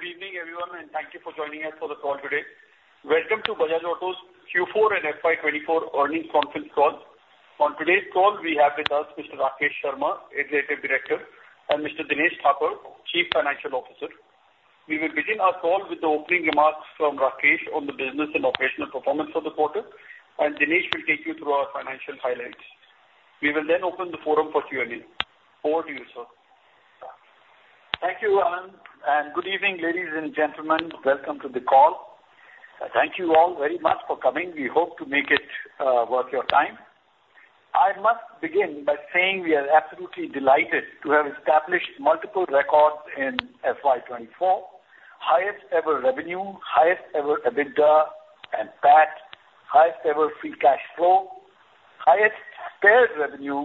Good evening, everyone, and thank you for joining us for the call today. Welcome to Bajaj Auto's Q4 and FY 2024 earnings conference call. On today's call, we have with us Mr. Rakesh Sharma, Executive Director, and Mr. Dinesh Thapar, Chief Financial Officer. We will begin our call with the opening remarks from Rakesh on the business and operational performance of the quarter, and Dinesh will take you through our financial highlights. We will then open the forum for Q&A. Over to you, sir. Thank you, Anand, and good evening, ladies and gentlemen. Welcome to the call. Thank you all very much for coming. We hope to make it worth your time. I must begin by saying we are absolutely delighted to have established multiple records in FY 2024. Highest ever revenue, highest ever EBITDA and PAT, highest ever free cash flow, highest spares revenue,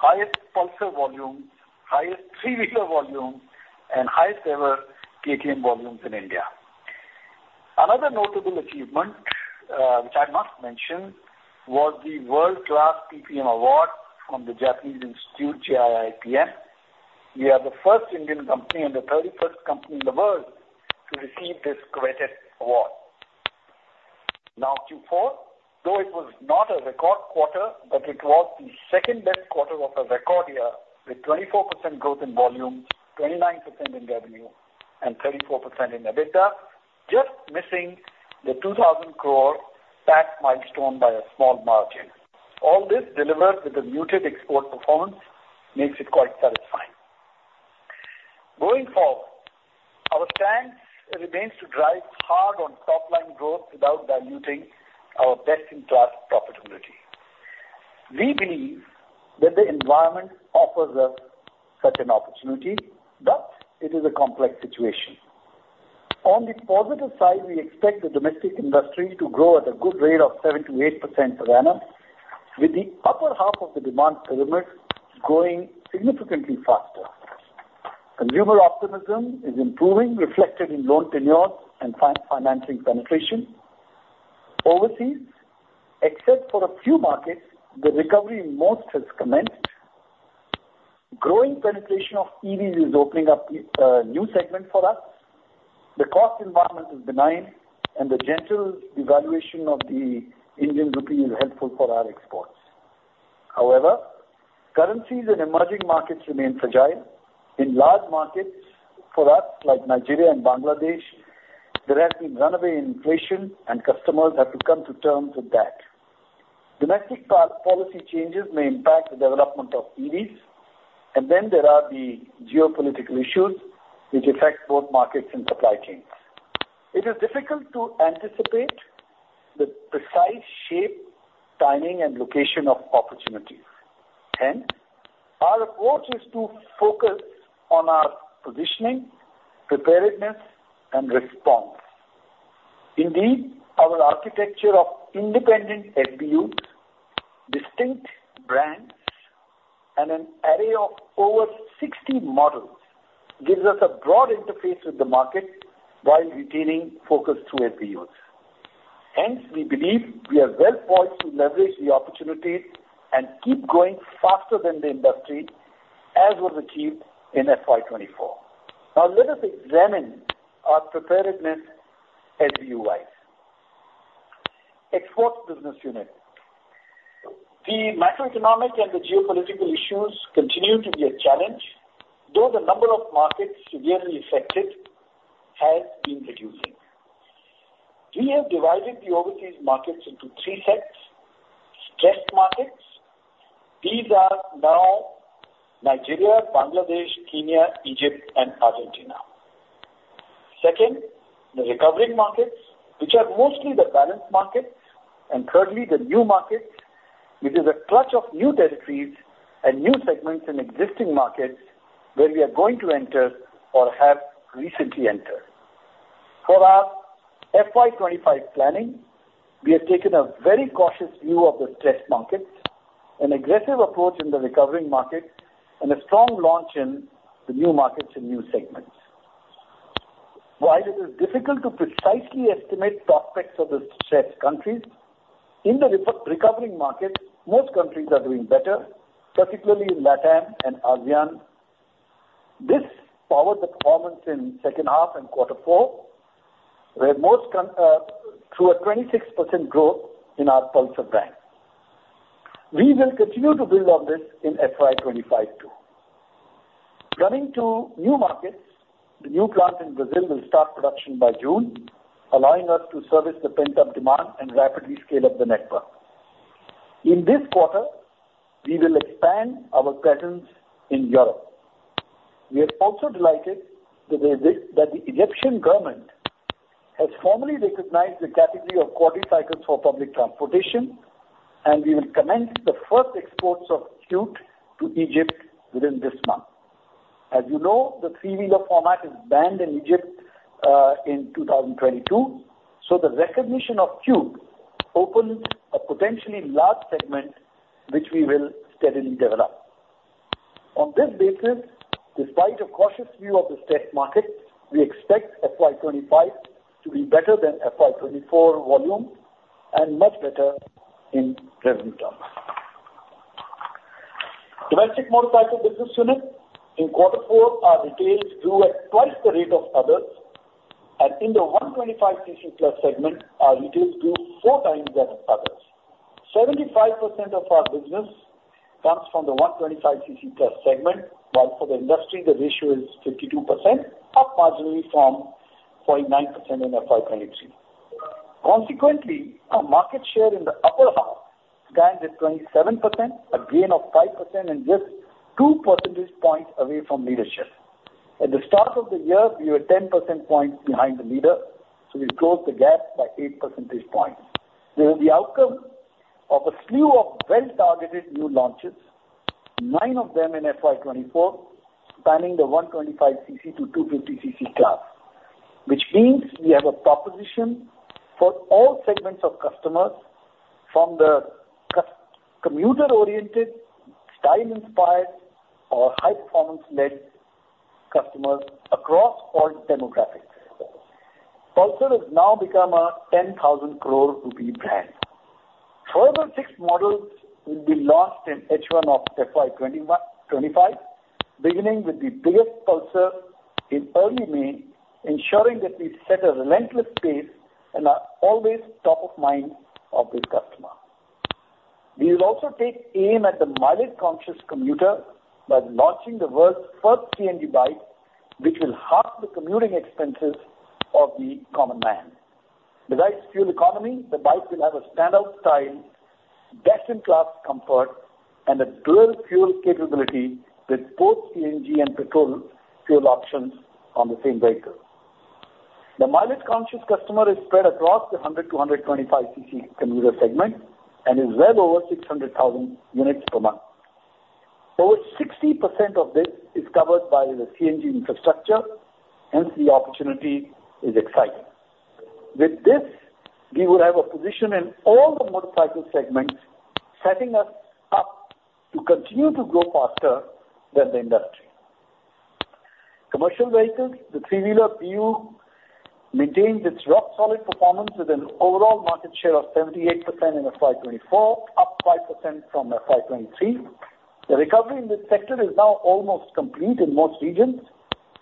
highest Pulsar volumes, highest three-wheeler volumes, and highest ever KTM volumes in India. Another notable achievement, which I must mention, was the World-Class TPM Award from the Japan Institute of Plant Maintenance, JIPM. We are the first Indian company and the 31st company in the world to receive this credited award. Now, Q4, though it was not a record quarter, but it was the second-best quarter of a record year, with 24% growth in volume, 29% in revenue, and 34% in EBITDA, just missing the 2,000 crore PAT milestone by a small margin. All this delivered with a muted export performance makes it quite satisfying. Going forward, our stance remains to drive hard on top line growth without diluting our best-in-class profitability. We believe that the environment offers us such an opportunity, but it is a complex situation. On the positive side, we expect the domestic industry to grow at a good rate of 7%-8% per annum, with the upper half of the demand pyramid growing significantly faster. Consumer optimism is improving, reflected in loan tenure and finance, financing penetration. Overseas, except for a few markets, the recovery in most has commenced. Growing penetration of EVs is opening up new segments for us. The cost environment is benign, and the gentle devaluation of the Indian rupee is helpful for our exports. However, currencies in emerging markets remain fragile. In large markets for us, like Nigeria and Bangladesh, there has been runaway inflation and customers have to come to terms with that. Domestic car policy changes may impact the development of EVs, and then there are the geopolitical issues, which affect both markets and supply chains. It is difficult to anticipate the precise shape, timing, and location of opportunities. Hence, our approach is to focus on our positioning, preparedness, and response. Indeed, our architecture of independent SBUs, distinct brands, and an array of over 60 models gives us a broad interface with the market while retaining focus through SBUs. Hence, we believe we are well poised to leverage the opportunities and keep growing faster than the industry, as was achieved in FY 2024. Now, let us examine our preparedness SBU-wise. Export business unit. The macroeconomic and the geopolitical issues continue to be a challenge, though the number of markets severely affected has been reducing. We have divided the overseas markets into three sets. Stressed markets. These are now Nigeria, Bangladesh, Kenya, Egypt, and Argentina. Second, the recovering markets, which are mostly the balanced markets, and thirdly, the new markets, which is a clutch of new territories and new segments in existing markets where we are going to enter or have recently entered. For our FY 2025 planning, we have taken a very cautious view of the stressed markets, an aggressive approach in the recovering markets, and a strong launch in the new markets and new segments. While it is difficult to precisely estimate prospects of the stressed countries, in the recovering markets, most countries are doing better, particularly in LATAM and ASEAN. This powered the performance in H2 and Q4, where most countries through a 26% growth in our Pulsar brand. We will continue to build on this in FY 2025 too. Coming to new markets, the new plant in Brazil will start production by June, allowing us to service the pent-up demand and rapidly scale up the network. In this quarter, we will expand our presence in Europe. We are also delighted that the Egyptian government has formally recognized the category of quadricycles for public transportation, and we will commence the first exports of Qute to Egypt within this month. As you know, the three-wheeler format is banned in Egypt in 2022, so the recognition of Qute opens a potentially large segment, which we will steadily develop. On this basis, despite a cautious view of the stressed markets, we expect FY 2025 to be better than FY 2024 volume and much better in revenue terms. Domestic motorcycle business unit. In Q4, our retails grew at twice the rate of others, and in the 125 cc plus segment, our retails grew four times that of others. 75% of our business comes from the 125 cc plus segment, while for the industry, the ratio is 52%, up marginally from 49% in FY 2023. Consequently, our market share in the upper half stands at 27%, a gain of 5%, and just two percentage points away from leadership. At the start of the year, we were 10 percentage points behind the leader, so we closed the gap by 8 percentage points. This is the outcome of a slew of well-targeted new launches, nine of them in FY 2024, spanning the 125 cc to 250 cc class, which means we have a proposition for all segments of customers, from the commuter-oriented, style-inspired or high-performance-led customers across all demographics. Pulsar has now become an 10,000 crore rupee brand. Further six models will be launched in H1 of FY 2025, beginning with the biggest Pulsar in early May, ensuring that we set a relentless pace and are always top of mind of the customer. We will also take aim at the mileage-conscious commuter by launching the world's first CNG bike, which will halve the commuting expenses of the common man. Besides fuel economy, the bike will have a standout style, best-in-class comfort, and a dual fuel capability with both CNG and petrol fuel options on the same vehicle. The mileage-conscious customer is spread across the 100 cc to 125 cc commuter segment and is well over 600,000 units per month. Over 60% of this is covered by the CNG infrastructure, hence the opportunity is exciting. With this, we will have a position in all the motorcycle segments, setting us up to continue to grow faster than the industry. Commercial vehicles, the three-wheeler BU, maintained its rock solid performance with an overall market share of 78% in FY 2024, up 5% from FY 2023. The recovery in this sector is now almost complete in most regions,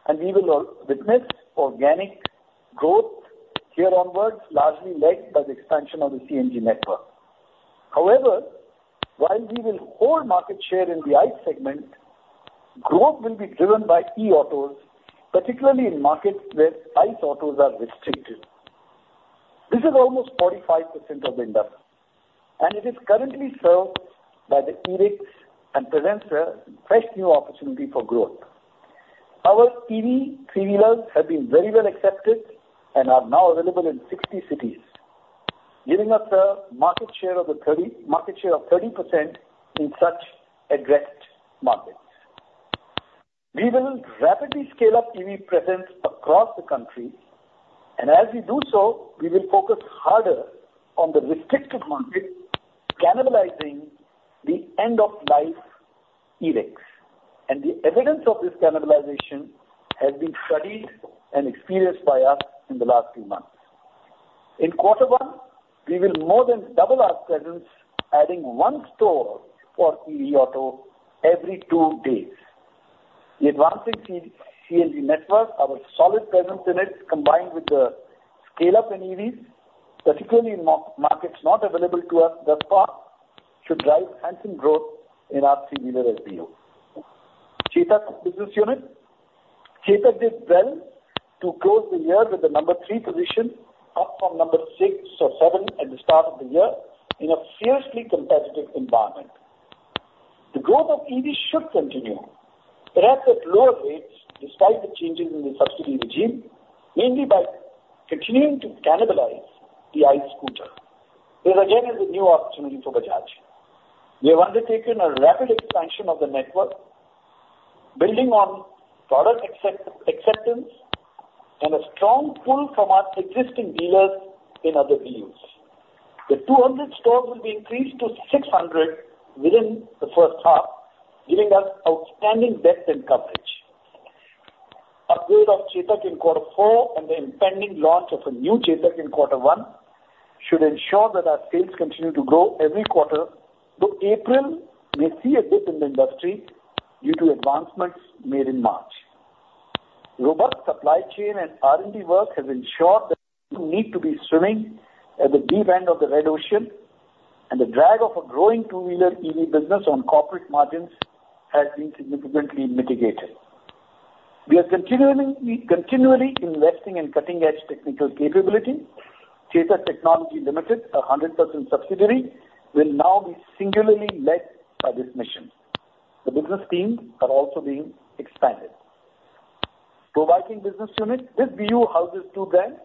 and we will witness organic growth year onwards, largely led by the expansion of the CNG network. However, while we will hold market share in the ICE segment, growth will be driven by e-autos, particularly in markets where ICE autos are restricted. This is almost 45% of the industry, and it is currently served by the Erix and presents a fresh new opportunity for growth. Our EV three-wheelers have been very well accepted and are now available in 60 cities, giving us a market share of 30% in such addressed markets. We will rapidly scale up EV presence across the country, and as we do so, we will focus harder on the restricted markets, cannibalizing the end-of-life Erix. And the evidence of this cannibalization has been studied and experienced by us in the last few months. In Q1, we will more than double our presence, adding one store for EV auto every two days. The advancing CNG network, our solid presence in it, combined with the scale-up in EVs, particularly in markets not available to us thus far, should drive handsome growth in our three-wheeler SBU. Chetak business unit. Chetak did well to close the year with the number three position, up from number six or seven at the start of the year, in a fiercely competitive environment. The growth of EVs should continue, perhaps at lower rates, despite the changes in the subsidy regime, mainly by continuing to cannibalize the ICE scooter. This again is a new opportunity for Bajaj. We have undertaken a rapid expansion of the network, building on product acceptance and a strong pull from our existing dealers in other BUs. The 200 stores will be increased to 600 within the H1, giving us outstanding depth and coverage. Upgrade of Chetak in Q4 and the impending launch of a new Chetak in Q1 should ensure that our sales continue to grow every quarter, though April may see a dip in the industry due to advancements made in March. Robust supply chain and R&D work have ensured that we need to be swimming at the deep end of the red ocean, and the drag of a growing two-wheeler EV business on corporate margins has been significantly mitigated. We are continually, continually investing in cutting-edge technical capability. Chetak Technology Limited, a 100% subsidiary, will now be singularly led by this mission. The business teams are also being expanded. Two-wheeler business unit. This BU houses two brands,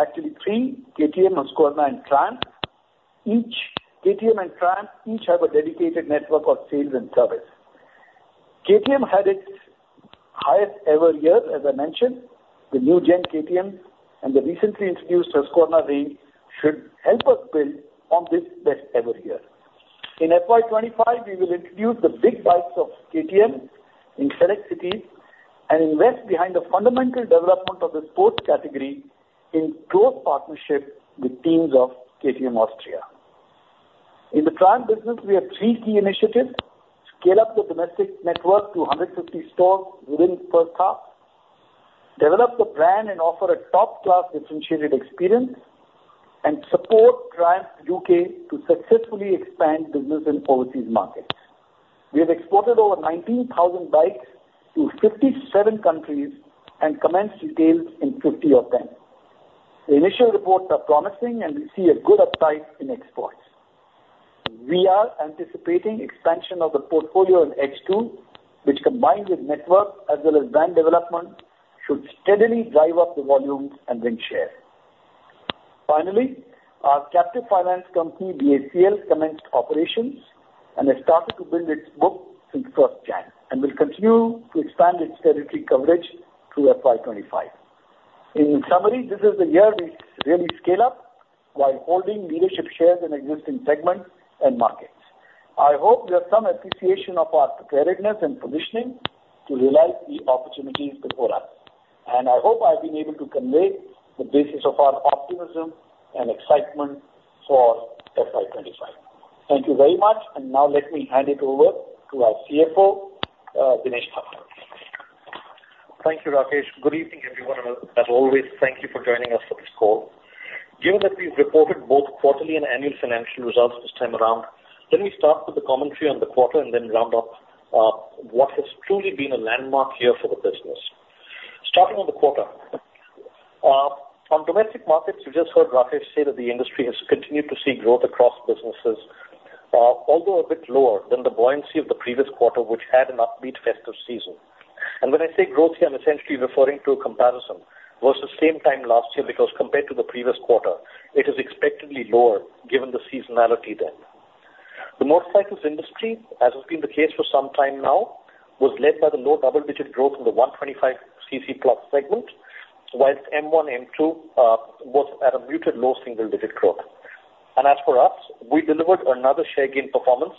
actually three, KTM, Husqvarna and Triumph. Each, KTM and Triumph, each have a dedicated network of sales and service. KTM had its highest ever year, as I mentioned. The new-gen KTM and the recently introduced Husqvarna range should help us build on this best ever year. In FY 2025, we will introduce the big bikes of KTM in select cities, and invest behind the fundamental development of the sports category in close partnership with teams of KTM Austria. In the Triumph business, we have three key initiatives: scale up the domestic network to 150 stores within H1, develop the brand and offer a top-class differentiated experience, and support Triumph UK to successfully expand business in overseas markets. We have exported over 19,000 bikes to 57 countries and commenced retail in 50 of them. The initial reports are promising, and we see a good upside in exports. We are anticipating expansion of the portfolio in H2, which, combined with network as well as brand development, should steadily drive up the volume and win share. Finally, our captive finance company, DACL, commenced operations and has started to build its book since first January, and will continue to expand its territory coverage through FY 2025. In summary, this is the year we really scale up while holding leadership shares in existing segments and markets. I hope you have some appreciation of our preparedness and positioning to realize the opportunities before us, and I hope I've been able to convey the basis of our optimism and excitement for FY 2025. Thank you very much. And now let me hand it over to our CFO, Dinesh Thapar. Thank you, Rakesh. Good evening, everyone. As always, thank you for joining us for this call. Given that we've reported both quarterly and annual financial results this time around, let me start with the commentary on the quarter and then round up, what has truly been a landmark year for the business. Starting with the quarter. On domestic markets, you just heard Rakesh say that the industry has continued to see growth across businesses, although a bit lower than the buoyancy of the previous quarter, which had an upbeat festive season. And when I say growth here, I'm essentially referring to a comparison versus same time last year, because compared to the previous quarter, it is expectedly lower given the seasonality then. The motorcycles industry, as has been the case for some time now, was led by the low double-digit growth in the 125 cc plus segment, while M1, M2, was at a muted, low single-digit growth. As for us, we delivered another share gain performance,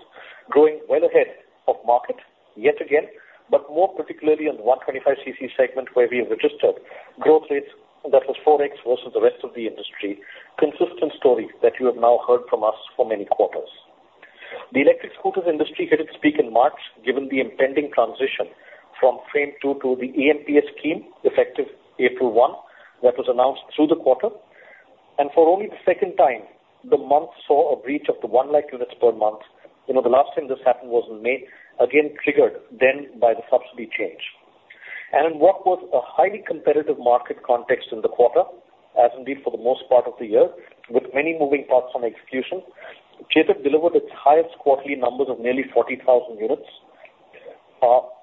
growing well ahead of market yet again, but more particularly in the 125 cc segment, where we have registered growth rates that was 4x versus the rest of the industry. Consistent story that you have now heard from us for many quarters. The electric scooters industry hit its peak in March, given the impending transition from FAME II to the EMPS scheme, effective April 1, that was announced through the quarter. For only the second time, the month saw a breach of the 1 lakh units per month. You know, the last time this happened was in May, again, triggered then by the subsidy change. In what was a highly competitive market context in the quarter, as indeed for the most part of the year, with many moving parts on execution, Chetak delivered its highest quarterly numbers of nearly 40,000 units,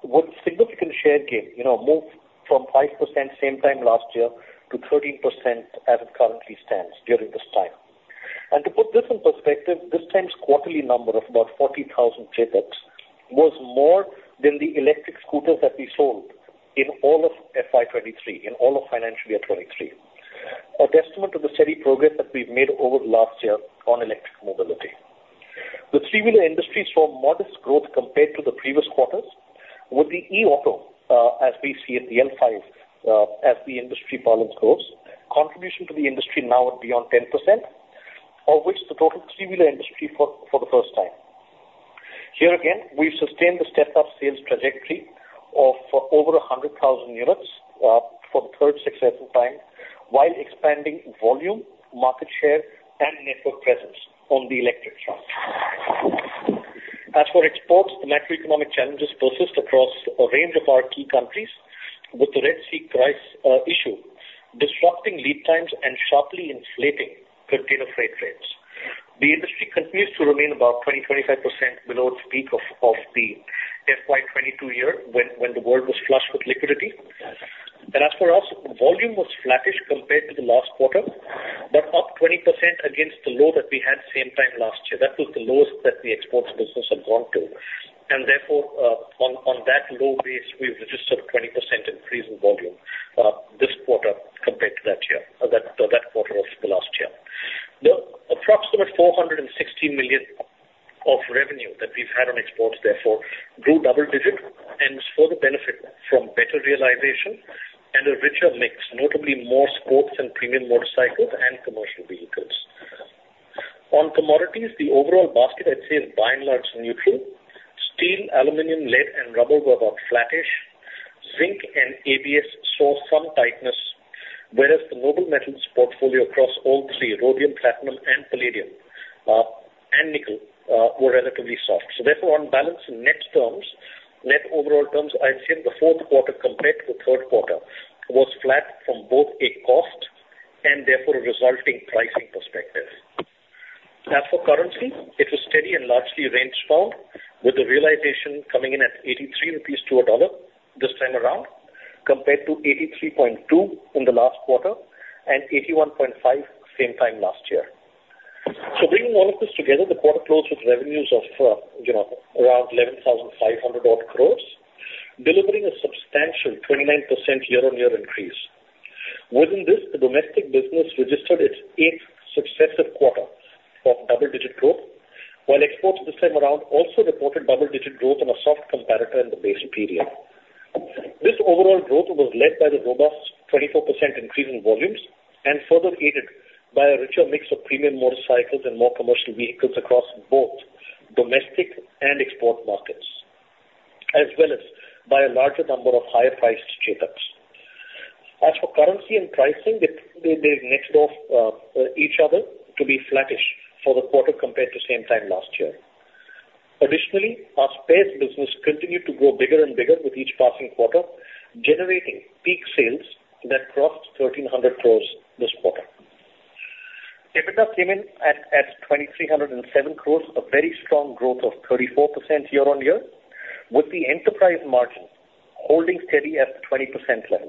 with significant share gain, you know, moved from 5% same time last year to 13% as it currently stands during this time. To put this in perspective, this time's quarterly number of about 40,000 Chetak was more than the electric scooters that we sold in all of FY 2023, in all of financial year 2023. A testament to the steady progress that we've made over the last year on electric mobility. The three-wheeler industry saw modest growth compared to the previous quarters, with the e-auto, as we see it, the L5, as the industry balance grows. Contribution to the industry now at beyond 10%, of which the total three-wheeler industry for, for the first time. Here again, we've sustained the stepped up sales trajectory of over 100,000 units, for the third successful time, while expanding volume, market share, and network presence on the electric front. As for exports, the macroeconomic challenges persist across a range of our key countries, with the Red Sea crisis, issue, disrupting lead times and sharply inflating container freight rates. The industry continues to remain about 20%-25% below its peak of, of the FY 2022 year, when, when the world was flush with liquidity. As for us, volume was flattish compared to the last quarter, but up 20% against the low that we had same time last year. That was the lowest that the exports business had gone to, and therefore, on that low base, we've registered a 20% increase in volume, this quarter compared to that year, that quarter of the last year. The approximate 416 million of revenue that we've had on exports therefore grew double digits and was further benefit from better realization and a richer mix, notably more sports and premium motorcycles and commercial vehicles. On commodities, the overall basket, I'd say, is by and large, neutral. Steel, aluminum, lead and rubber were about flattish. Zinc and ABS saw some tightness, whereas the noble metals portfolio across all three, rhodium, platinum and palladium, and nickel, were relatively soft. So therefore, on balance in net terms, net overall terms, I'd say the Q4 compared to the Q3 was flat from both a cost and therefore a resulting pricing perspective. As for currency, it was steady and largely range-bound, with the realization coming in at 83 rupees to $1 this time around, compared to 83.2 in the last quarter and 81.5 same time last year. So bringing all of this together, the quarter closed with revenues of, you know, around 11,500 crores, delivering a substantial 29% year-on-year increase. Within this, the domestic business registered its eighth successive quarter of double-digit growth, while exports this time around also reported double-digit growth on a soft comparator in the base period. This overall growth was led by the robust 24% increase in volumes and further aided by a richer mix of premium motorcycles and more commercial vehicles across both domestic and export markets, as well as by a larger number of higher priced Chetaks. As for currency and pricing, they net off each other to be flattish for the quarter compared to same time last year. Additionally, our spares business continued to grow bigger and bigger with each passing quarter, generating peak sales that crossed 1,300 crore this quarter. EBITDA came in at 2,307 crore, a very strong growth of 34% year-on-year, with the enterprise margin holding steady at 20% level.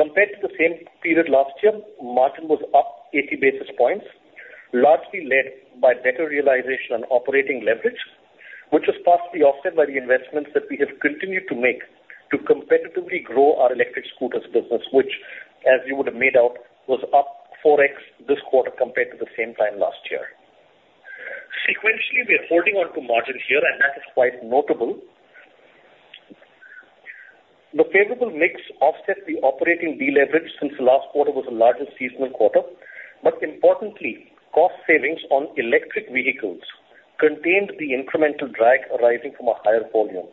Compared to the same period last year, margin was up 80 basis points, largely led by better realization on operating leverage, which was partially offset by the investments that we have continued to make to competitively grow our electric scooters business, which, as you would have made out, was up 4x this quarter compared to the same time last year. Sequentially, we are holding on to margin share, and that is quite notable. The favorable mix offset the operating deleverage since the last quarter was the largest seasonal quarter. But importantly, cost savings on electric vehicles contained the incremental drag arising from a higher volume.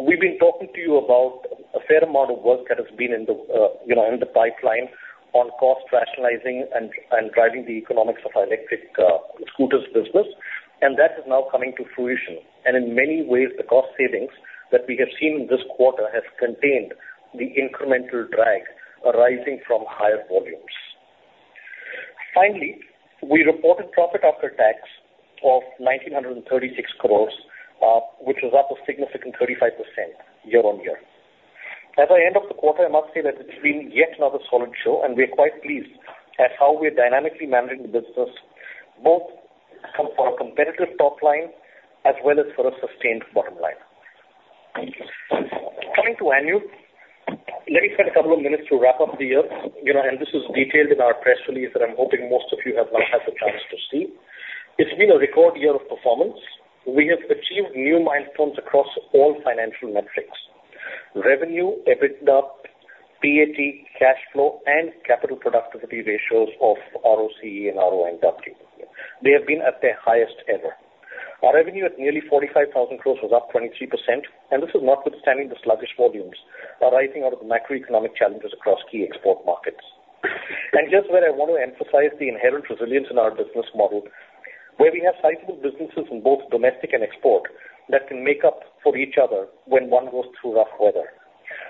We've been talking to you about a fair amount of work that has been in the, you know, in the pipeline on cost rationalizing and, and driving the economics of our electric scooters business, and that is now coming to fruition. And in many ways, the cost savings that we have seen in this quarter has contained the incremental drag arising from higher volumes. Finally, we reported profit after tax of 1,936 crore, which was up a significant 35% year-on-year. As we end the quarter, I must say that it's been yet another solid show, and we are quite pleased at how we are dynamically managing the business, both for a competitive top line as well as for a sustained bottom line. Coming to annual, let me spend a couple of minutes to wrap up the year. You know, and this is detailed in our press release, that I'm hoping most of you have now had the chance to see. It's been a record year of performance. We have achieved new milestones across all financial metrics. Revenue, EBITDA, PAT, cash flow, and capital productivity ratios of ROCE and ROIC. They have been at their highest ever. Our revenue at nearly 45,000 crore was up 23%, and this is notwithstanding the sluggish volumes arising out of the macroeconomic challenges across key export markets. And just where I want to emphasize the inherent resilience in our business model, where we have sizable businesses in both domestic and export that can make up for each other when one goes through rough weather.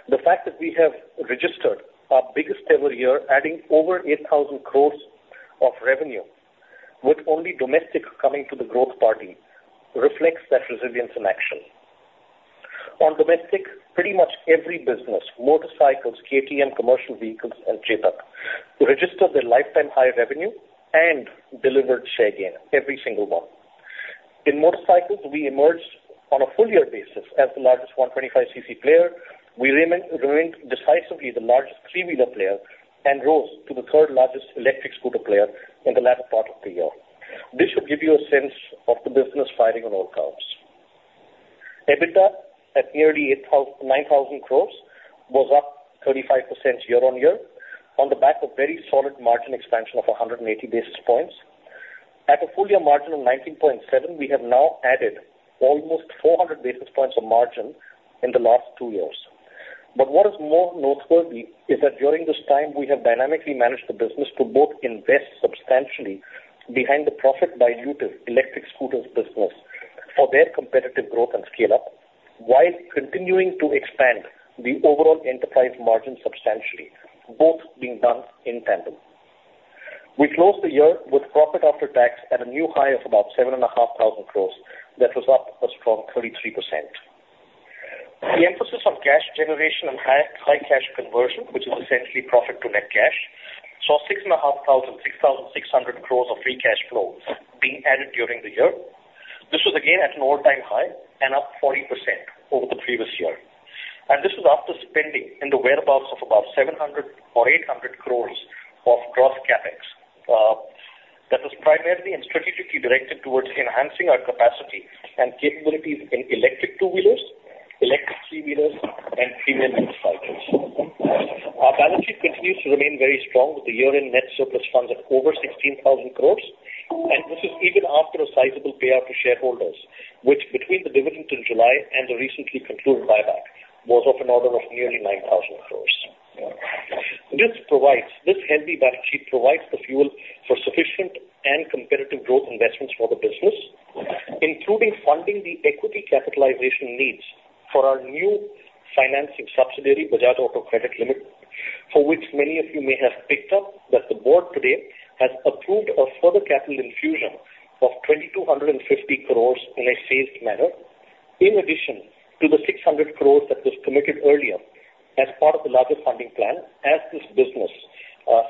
The fact that we have registered our biggest ever year, adding over 8,000 crore of revenue, with only domestic coming to the growth party, reflects that resilience in action. On domestic, pretty much every business, motorcycles, KTM, commercial vehicles and Chetak, registered their lifetime high revenue and delivered share gain, every single one. In motorcycles, we emerged on a full year basis as the largest 125 cc player. We remain, remained decisively the largest three-wheeler player and rose to the third largest electric scooter player in the latter part of the year. This should give you a sense of the business firing on all counts. EBITDA at nearly 9,000 crore, was up 35% year-on-year on the back of very solid margin expansion of 180 basis points. At a full year margin of 19.7%, we have now added almost 400 basis points of margin in the last two years. But what is more noteworthy is that during this time, we have dynamically managed the business to both invest substantially behind the profit dilutive electric scooters business for their competitive growth and scale-up, while continuing to expand the overall enterprise margin substantially, both being done in tandem. We closed the year with profit after tax at a new high of about 7,500 crore. That was up a strong 33%. The emphasis on cash generation and high cash conversion, which is essentially profit to net cash, saw 6,600 crore of free cash flow being added during the year. This was again at an all-time high and up 40% over the previous year. This was after spending in the whereabouts of about 700-800 crore of growth CapEx, that was primarily and strategically directed towards enhancing our capacity and capabilities in electric two-wheelers, electric three-wheelers and premium motorcycles. Our balance sheet continues to remain very strong, with the year-end net surplus funds at over 16,000 crore, and this is even after a sizable payout to shareholders, which between the dividend in July and the recently concluded buyback, was of an order of nearly 9,000 crore. This healthy balance sheet provides the fuel for sufficient and competitive growth investments for the business, including funding the equity capitalization needs for our new financing subsidiary, Bajaj Auto Credit Limited, for which many of you may have picked up, that the board today has approved a further capital infusion of 2,250 crores in a phased manner, in addition to the 600 crores that was committed earlier as part of the larger funding plan as this business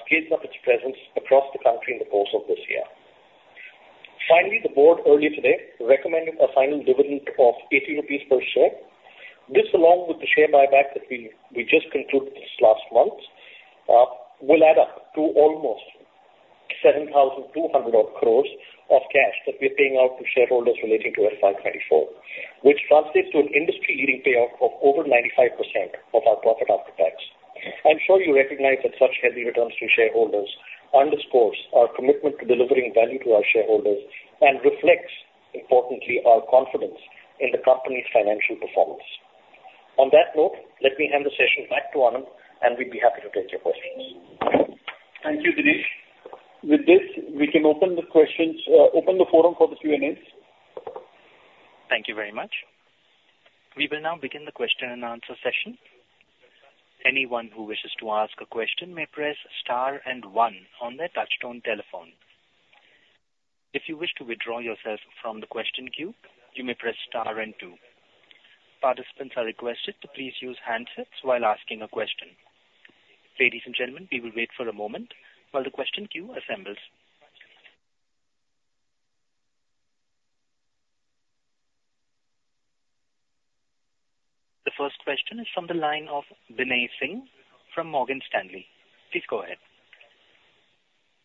scales up its presence across the country in the course of this year. Finally, the board earlier today recommended a final dividend of 80 rupees per share. This, along with the share buyback that we, we just concluded this last month, will add up to almost 7,200 crore of cash that we are paying out to shareholders relating to FY 2024, which translates to an industry-leading payout of over 95% of our profit after tax. I'm sure you recognize that such heavy returns to shareholders underscores our commitment to delivering value to our shareholders and reflects, importantly, our confidence in the company's financial performance. On that note, let me hand the session back to Anand, and we'd be happy to take your questions. Thank you, Dinesh. With this, we can open the questions, open the forum for the Q&As. Thank you very much. We will now begin the question and answer session. Anyone who wishes to ask a question may press star and one on their touchtone telephone. If you wish to withdraw yourself from the question queue, you may press star and two. Participants are requested to please use handsets while asking a question. Ladies and gentlemen, we will wait for a moment while the question queue assembles. The first question is from the line of Binay Singh from Morgan Stanley. Please go ahead.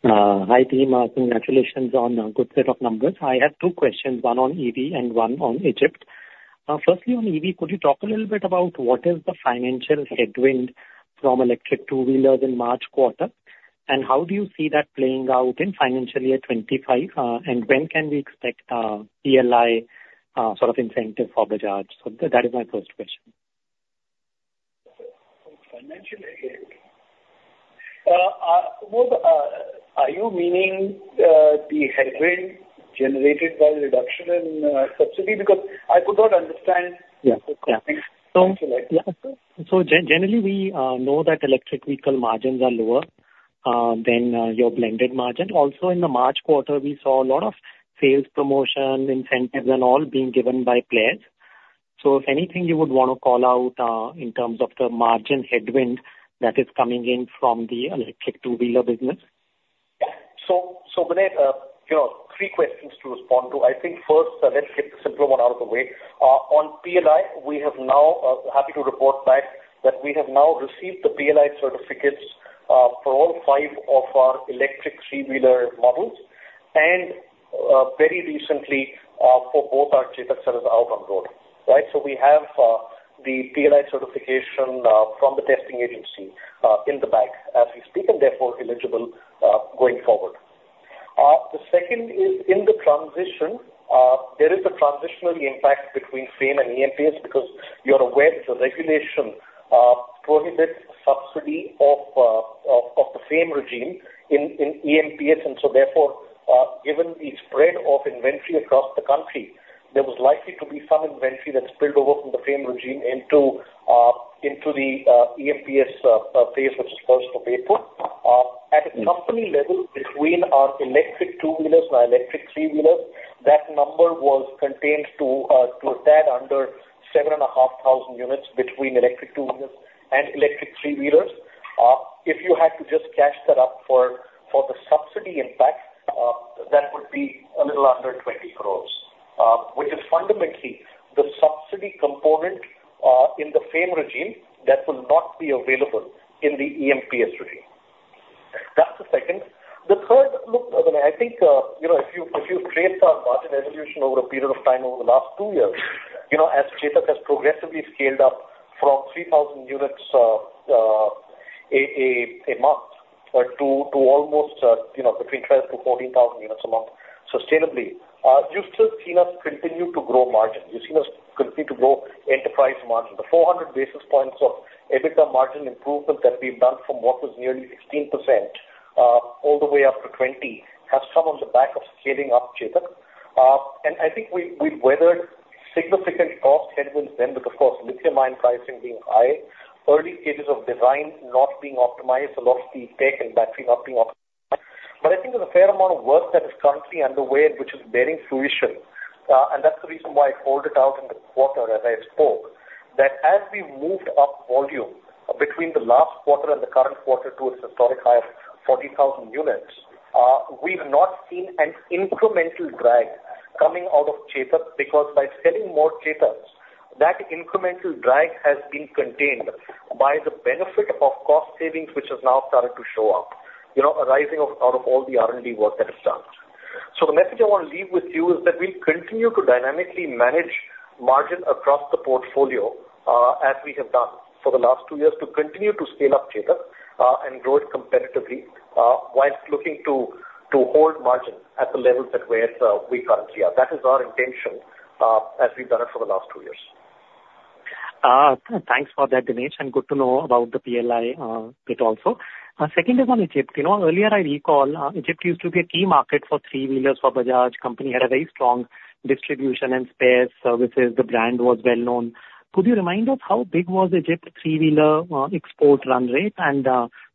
Hi, team. Congratulations on a good set of numbers. I have two questions, one on EV and one on Egypt. Firstly, on EV, could you talk a little bit about what is the financial headwind from electric two-wheelers in March quarter? And how do you see that playing out in financial year 2025? And when can we expect, PLI, sort of, incentive for Bajaj? So that is my first question. Financial head... Well, are you meaning the headwind generated by the reduction in subsidy? Because I could not understand- Yeah. Yeah. Okay. So, yeah. So generally, we know that electric vehicle margins are lower than your blended margin. Also, in the March quarter, we saw a lot of sales promotion, incentives and all being given by players. So if anything you would want to call out in terms of the margin headwind that is coming in from the electric two-wheeler business. Yeah. So, Binay, you know, three questions to respond to. I think first, let's get the simpler one out of the way. On PLI, we have now happy to report back that we have now received the PLI certificates for all five of our electric three-wheeler models, and very recently for both our Chetak cars out on road, right? So we have the PLI certification from the testing agency in the bank as we speak, and therefore eligible going forward. The second is in the transition. There is a transitional impact between FAME and EMPS because you're aware the regulation prohibits subsidy of the FAME regime in EMPS. And so therefore, given the spread of inventory across the country, there was likely to be some inventory that spilled over from the FAME regime into the EMPS phase, which is April 1. At a company level, between our electric two-wheelers and our electric three-wheelers, that number was contained to a tad under 7,500 units between electric two-wheelers and electric three-wheelers. If you had to just cash that up for the subsidy impact, that would be a little under 20 crore, which is fundamentally the subsidy component in the FAME regime that will not be available in the EMPS regime. That's the second. The third, look, I think, you know, if you've traced our margin evolution over a period of time over the last two years, you know, as Chetak has progressively scaled up from 3,000 units a month to almost, you know, between 12,000-14,000 units a month sustainably, you've still seen us continue to grow margin. You've seen us continue to grow enterprise margin. The 400 basis points of EBITDA margin improvement that we've done from what was nearly 16% all the way up to 20% has come on the back of scaling up Chetak. And I think we've weathered significant cost headwinds then, because, of course, lithium ion pricing being high, early stages of design not being optimized, so lots of the tech and battery not being optimized. But I think there's a fair amount of work that is currently underway, which is bearing fruition, and that's the reason why I called it out in the quarter as I spoke, that as we moved up volume between the last quarter and the current quarter to a historic high of 40,000 units, we've not seen an incremental drag coming out of Chetak, because by selling more Chetaks, that incremental drag has been contained by the benefit of cost savings, which has now started to show up, you know, arising out of all the R&D work that is done. The message I want to leave with you is that we continue to dynamically manage margin across the portfolio, as we have done for the last two years, to continue to scale up Chetak, and grow it competitively, while looking to hold margin at the levels at where we currently are. That is our intention, as we've done it for the last two years. Thanks for that, Dinesh, and good to know about the PLI bit also. Second is on Egypt. You know, earlier I recall, Egypt used to be a key market for three-wheelers for Bajaj. Company had a very strong distribution and spares services. The brand was well known. Could you remind us how big was Egypt three-wheeler export run rate? And,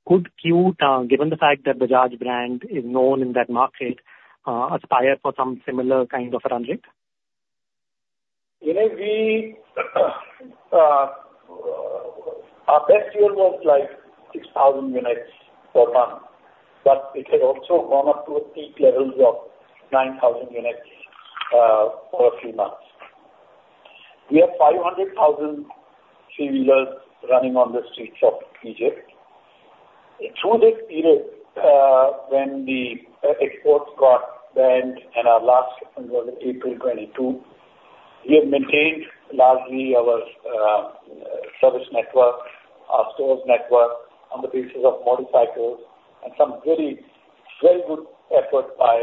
could you, given the fact that Bajaj brand is known in that market, aspire for some similar kind of run rate?... You know, we, our best year was like 6,000 units per month, but it had also gone up to peak levels of 9,000 units for a few months. We have 500,000 three-wheelers running on the streets of Egypt. Through this period, when the, exports got banned and our last one was in April 2022, we have maintained largely our, service network, our stores network on the basis of motorcycles and some very, very good effort by,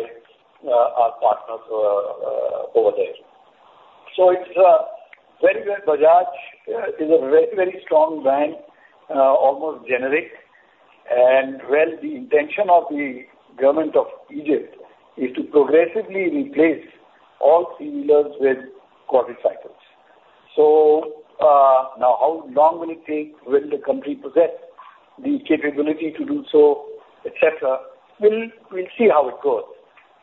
our partners, over there. So it's, very well, Bajaj, is a very, very strong brand, almost generic, and well, the intention of the government of Egypt is to progressively replace all three-wheelers with quadricycles. So, now, how long will it take? Will the country possess the capability to do so, et cetera? We'll see how it goes.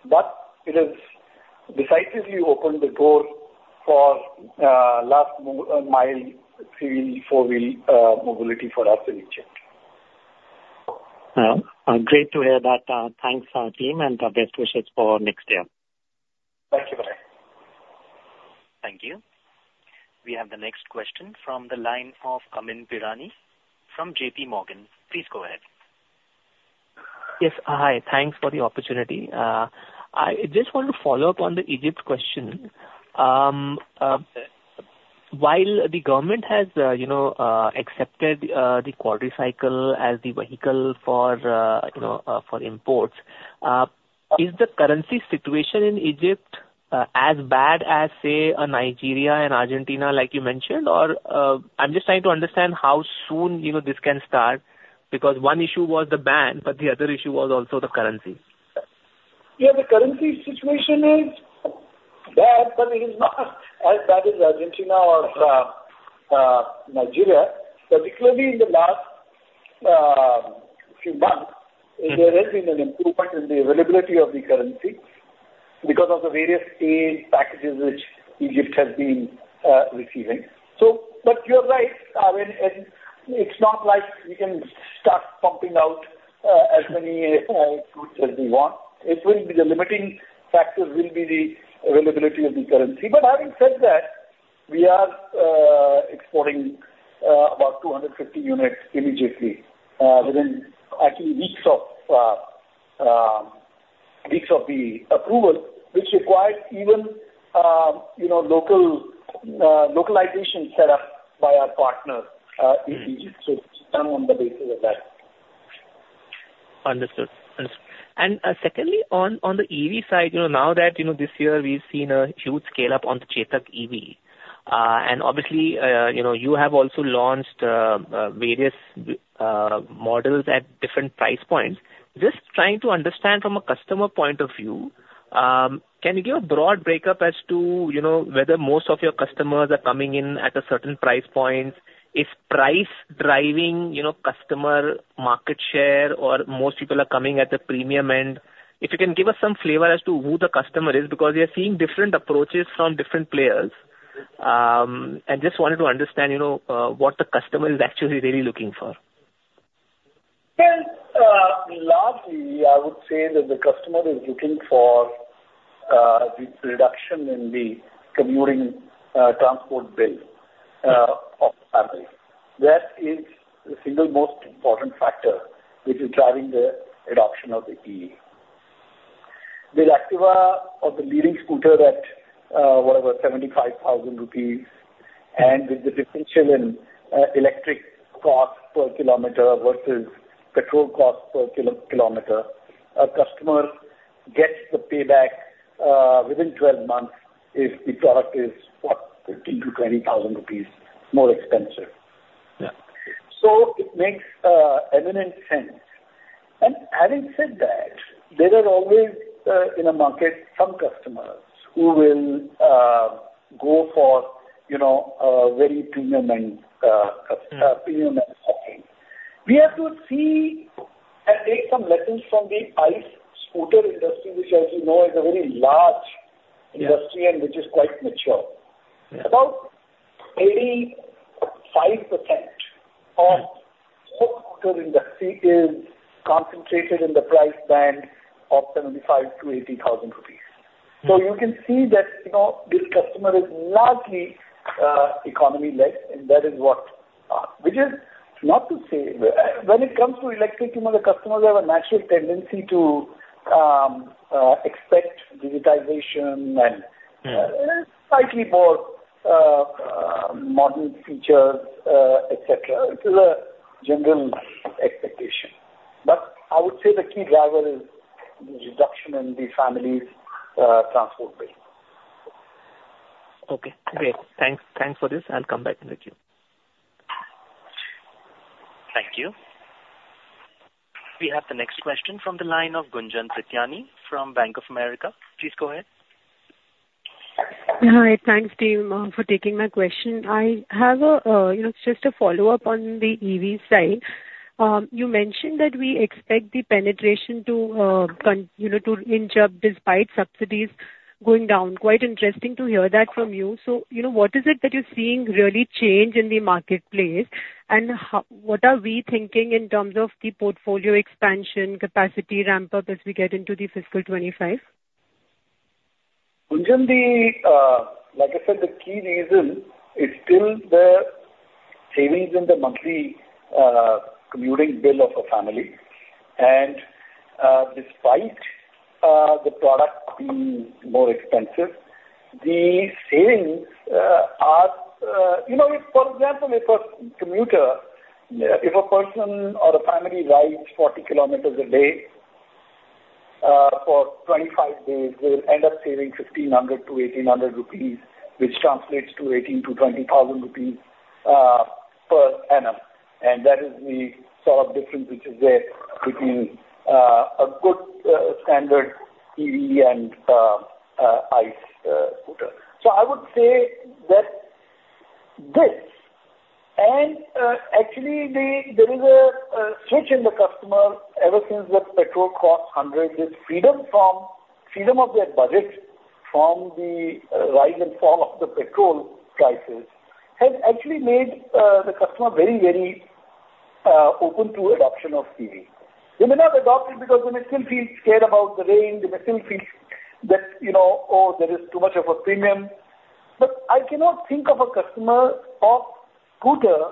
But it has decisively opened the door for last mile, three-wheel, four-wheel mobility for us in Egypt. Great to hear that. Thanks, our team, and the best wishes for next year. Thank you. Bye. Thank you. We have the next question from the line of Amyn Pirani from J.P. Morgan. Please go ahead. Yes. Hi, thanks for the opportunity. I just want to follow up on the Egypt question. While the government has, you know, accepted the quadricycle as the vehicle for, you know, for imports, is the currency situation in Egypt as bad as, say, in Nigeria and Argentina, like you mentioned? Or, I'm just trying to understand how soon, you know, this can start, because one issue was the ban, but the other issue was also the currency. Yeah, the currency situation is bad, but it is not as bad as Argentina or Nigeria. Particularly in the last few months, there has been an improvement in the availability of the currency because of the various aid packages which Egypt has been receiving. So, but you're right, and it's not like we can start pumping out as many goods as we want. It will be the limiting factor will be the availability of the currency. But having said that, we are exporting about 250 units immediately, within actually weeks of the approval, which required even you know, local localization set up by our partners in Egypt to come on the basis of that. Understood. Understood. And, secondly, on the EV side, you know, now that, you know, this year we've seen a huge scale-up on the Chetak EV, and obviously, you know, you have also launched various models at different price points. Just trying to understand from a customer point of view, can you give a broad breakup as to, you know, whether most of your customers are coming in at a certain price point? Is price driving, you know, customer market share, or most people are coming at the premium end? If you can give us some flavor as to who the customer is, because we are seeing different approaches from different players. I just wanted to understand, you know, what the customer is actually really looking for. Well, largely, I would say that the customer is looking for the reduction in the commuting transport bill of the family. That is the single most important factor which is driving the adoption of the EV. The Activa or the leading scooter at, whatever, 75,000 rupees, and with the differential in electric cost per kilometer versus petrol cost per kilometer, a customer gets the payback within 12 months if the product is, what? 15,000-20,000 rupees more expensive. Yeah. So it makes eminent sense. And having said that, there are always in a market some customers who will go for, you know, a very premium end premium end shopping. We have to see and take some lessons from the ICE scooter industry, which, as you know, is a very large industry- Yeah. and which is quite mature. Yeah. About 85% of whole scooter industry is concentrated in the price band of 75,000-80,000 rupees. Mm. So you can see that, you know, this customer is largely, economy-led, and that is what, which is not to say... When it comes to electric, you know, the customers have a natural tendency to, expect digitization and- Yeah. - slightly more modern features, et cetera. It is a general expectation. But I would say the key driver is the reduction in the family's transport bill. Okay, great. Thanks, thanks for this. I'll come back in the queue. Thank you. We have the next question from the line of Gunjan Prithyani from Bank of America. Please go ahead. Hi. Thanks, team, for taking my question. I have a, you know, just a follow-up on the EV side. You mentioned that we expect the penetration to you know, to inch up despite subsidies going down. Quite interesting to hear that from you. So, you know, what is it that you're seeing really change in the marketplace? And how what are we thinking in terms of the portfolio expansion, capacity ramp up, as we get into the fiscal 2025? Gunjan, like I said, the key reason is still the savings in the monthly commuting bill of a family. Despite the product being more expensive, the savings are. You know, for example, if a commuter, if a person or a family rides 40 km a day, for 25 days, they'll end up saving 1,500-1,800 rupees, which translates to 18,000-20,000 rupees per annum. And that is the sort of difference which is there between a good standard EV and ICE scooter. So I would say that this and, actually, there is a switch in the customer ever since the petrol cost 100. This freedom of their budget from the rise and fall of the petrol prices has actually made the customer very, very open to adoption of EV. They may not adopt it because they may still feel scared about the range, they may still feel that, you know, oh, there is too much of a premium. But I cannot think of a customer of scooter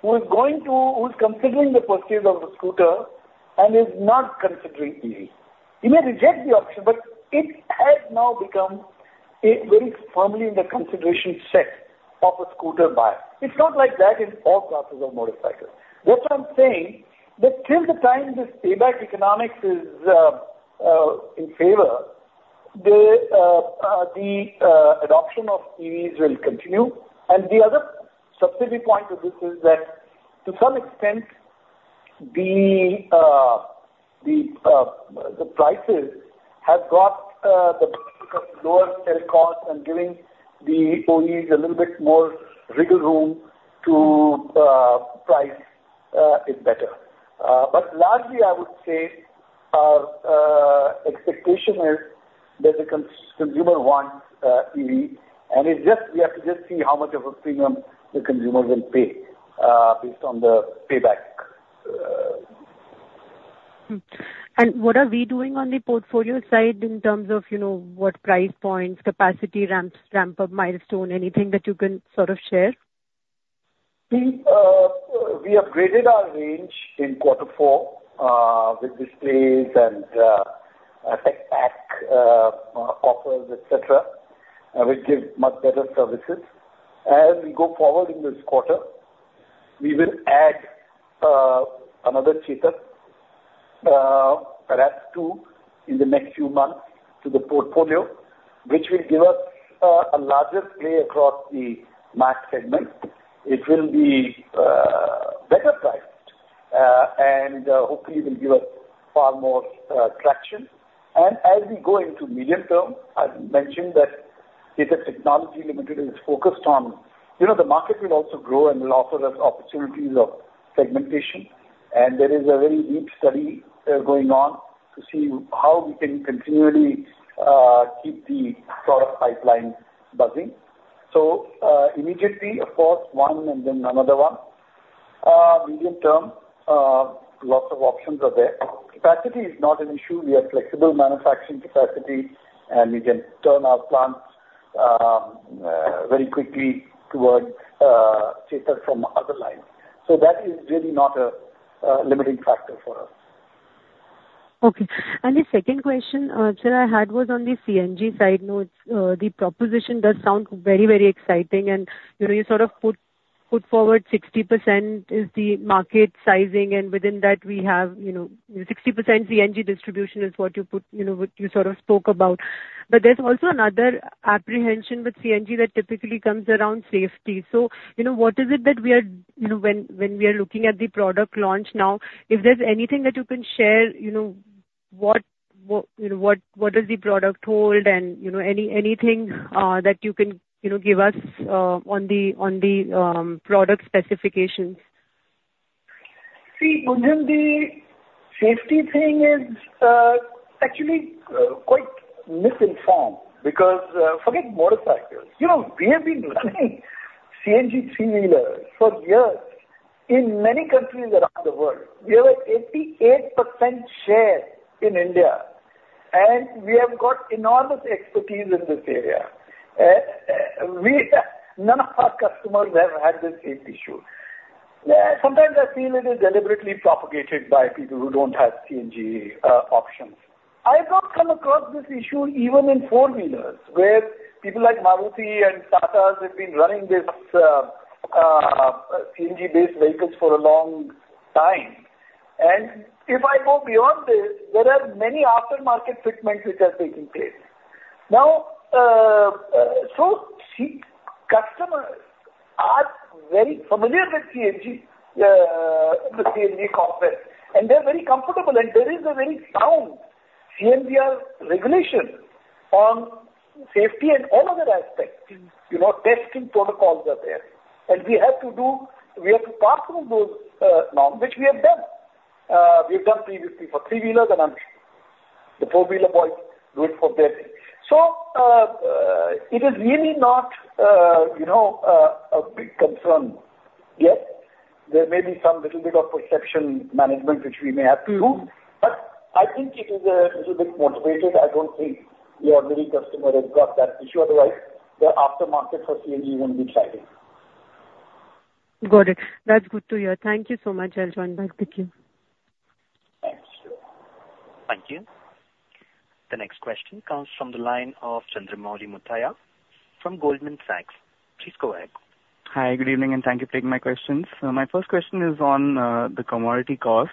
who's considering the purchase of the scooter and is not considering EV. He may reject the option, but it has now become a very firmly in the consideration set of a scooter buyer. It's not like that in all classes of motorcycles. What I'm saying, that till the time this payback economics is in favor, the adoption of EVs will continue. And the other subsidy point to this is that, to some extent, the prices have got the lower sell cost and giving the OEs a little bit more wiggle room to price it better. But largely, I would say, expectation is that the consumer wants EV, and it's just, we have to just see how much of a premium the consumer will pay based on the payback. Hmm. And what are we doing on the portfolio side in terms of, you know, what price points, capacity, ramps, ramp-up, milestone, anything that you can sort of share? We upgraded our range in Q4 with displays and TecPac offers, et cetera, which give much better services. As we go forward in this quarter, we will add another Chetak, perhaps two in the next few months to the portfolio, which will give us a larger play across the max segment. It will be better priced, and hopefully will give us far more traction. And as we go into medium term, I've mentioned that Chetak Technology Limited is focused on... You know, the market will also grow and will offer us opportunities of segmentation, and there is a very deep study going on to see how we can continually keep the product pipeline buzzing. So, immediately, of course, one and then another one. Medium term, lots of options are there. Capacity is not an issue. We have flexible manufacturing capacity, and we can turn our plants very quickly towards Chetak from other lines. So that is really not a limiting factor for us. Okay. And the second question, sir, I had was on the CNG side. Note, the proposition does sound very, very exciting, and, you know, you sort of put forward 60% is the market sizing, and within that we have, you know, 60% CNG distribution is what you put, you know, what you sort of spoke about. But there's also another apprehension with CNG that typically comes around safety. So, you know, what is it that we are, you know, when we are looking at the product launch now, if there's anything that you can share, you know, what, you know, what does the product hold and, you know, anything that you can, you know, give us, on the product specifications? See, Gunjan, the safety thing is, actually, quite misinformed because, forget motorcycles, you know, we have been running CNG three-wheelers for years in many countries around the world. We have an 88% share in India, and we have got enormous expertise in this area. None of our customers have had this safe issue. Sometimes I feel it is deliberately propagated by people who don't have CNG option. I have not come across this issue even in four-wheelers, where people like Maruti and Tata have been running this, CNG-based vehicles for a long time. And if I go beyond this, there are many aftermarket fitments which are taking place. Now, customers are very familiar with CNG, the CNG concept, and they're very comfortable, and there is a very sound-... CMVR regulation on safety and all other aspects. You know, testing protocols are there, and we have to pass through those, norms, which we have done. We have done previously for three-wheelers, and I'm sure the four-wheeler boys do it for theirs. So, it is really not, you know, a big concern yet. There may be some little bit of perception management, which we may have to do, but I think it is a little bit motivated. I don't think we have many customers who've got that issue. Otherwise, the aftermarket for CNG wouldn't be thriving. Got it. That's good to hear. Thank you so much. I'll join back with you. Thanks. Thank you. The next question comes from the line of Chandramouli Muthiah from Goldman Sachs. Please go ahead. Hi, good evening, and thank you for taking my questions. My first question is on the commodity costs.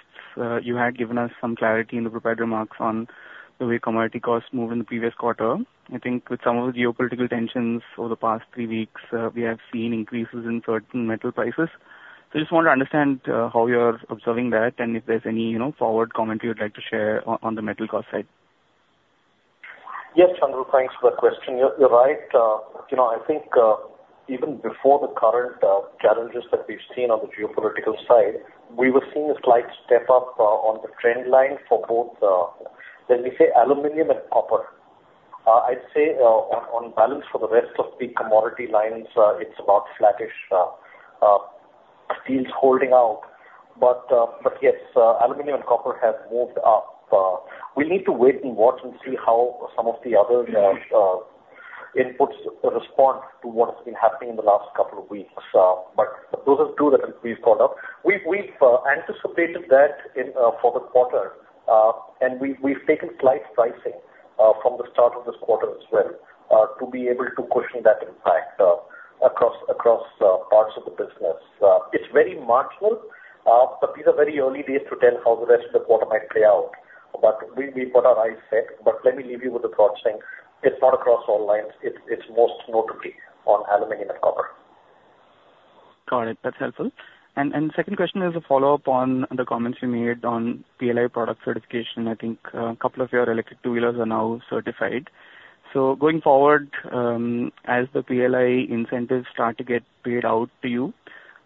You had given us some clarity in the prepared remarks on the way commodity costs moved in the previous quarter. I think with some of the geopolitical tensions over the past three weeks, we have seen increases in certain metal prices. So I just want to understand how you are observing that, and if there's any, you know, forward commentary you'd like to share on the metal cost side. Yes, Chandramouli, thanks for that question. You're right. You know, I think, even before the current challenges that we've seen on the geopolitical side, we were seeing a slight step up on the trend line for both, let me say, aluminum and copper. I'd say, on balance, for the rest of the commodity lines, it's about flattish, steels holding out. But yes, aluminum and copper have moved up. We need to wait and watch and see how some of the other inputs respond to what has been happening in the last couple of weeks. But those are two that we've caught up. We've anticipated that in for the quarter, and we've taken slight pricing from the start of this quarter as well, to be able to cushion that impact across parts of the business. It's very marginal, but these are very early days to tell how the rest of the quarter might play out. But we've got our eyes set, but let me leave you with the broad saying, it's not across all lines. It's most notably on aluminum and copper. Got it. That's helpful. And the second question is a follow-up on the comments you made on PLI product certification. I think a couple of your electric two-wheelers are now certified. So going forward, as the PLI incentives start to get paid out to you,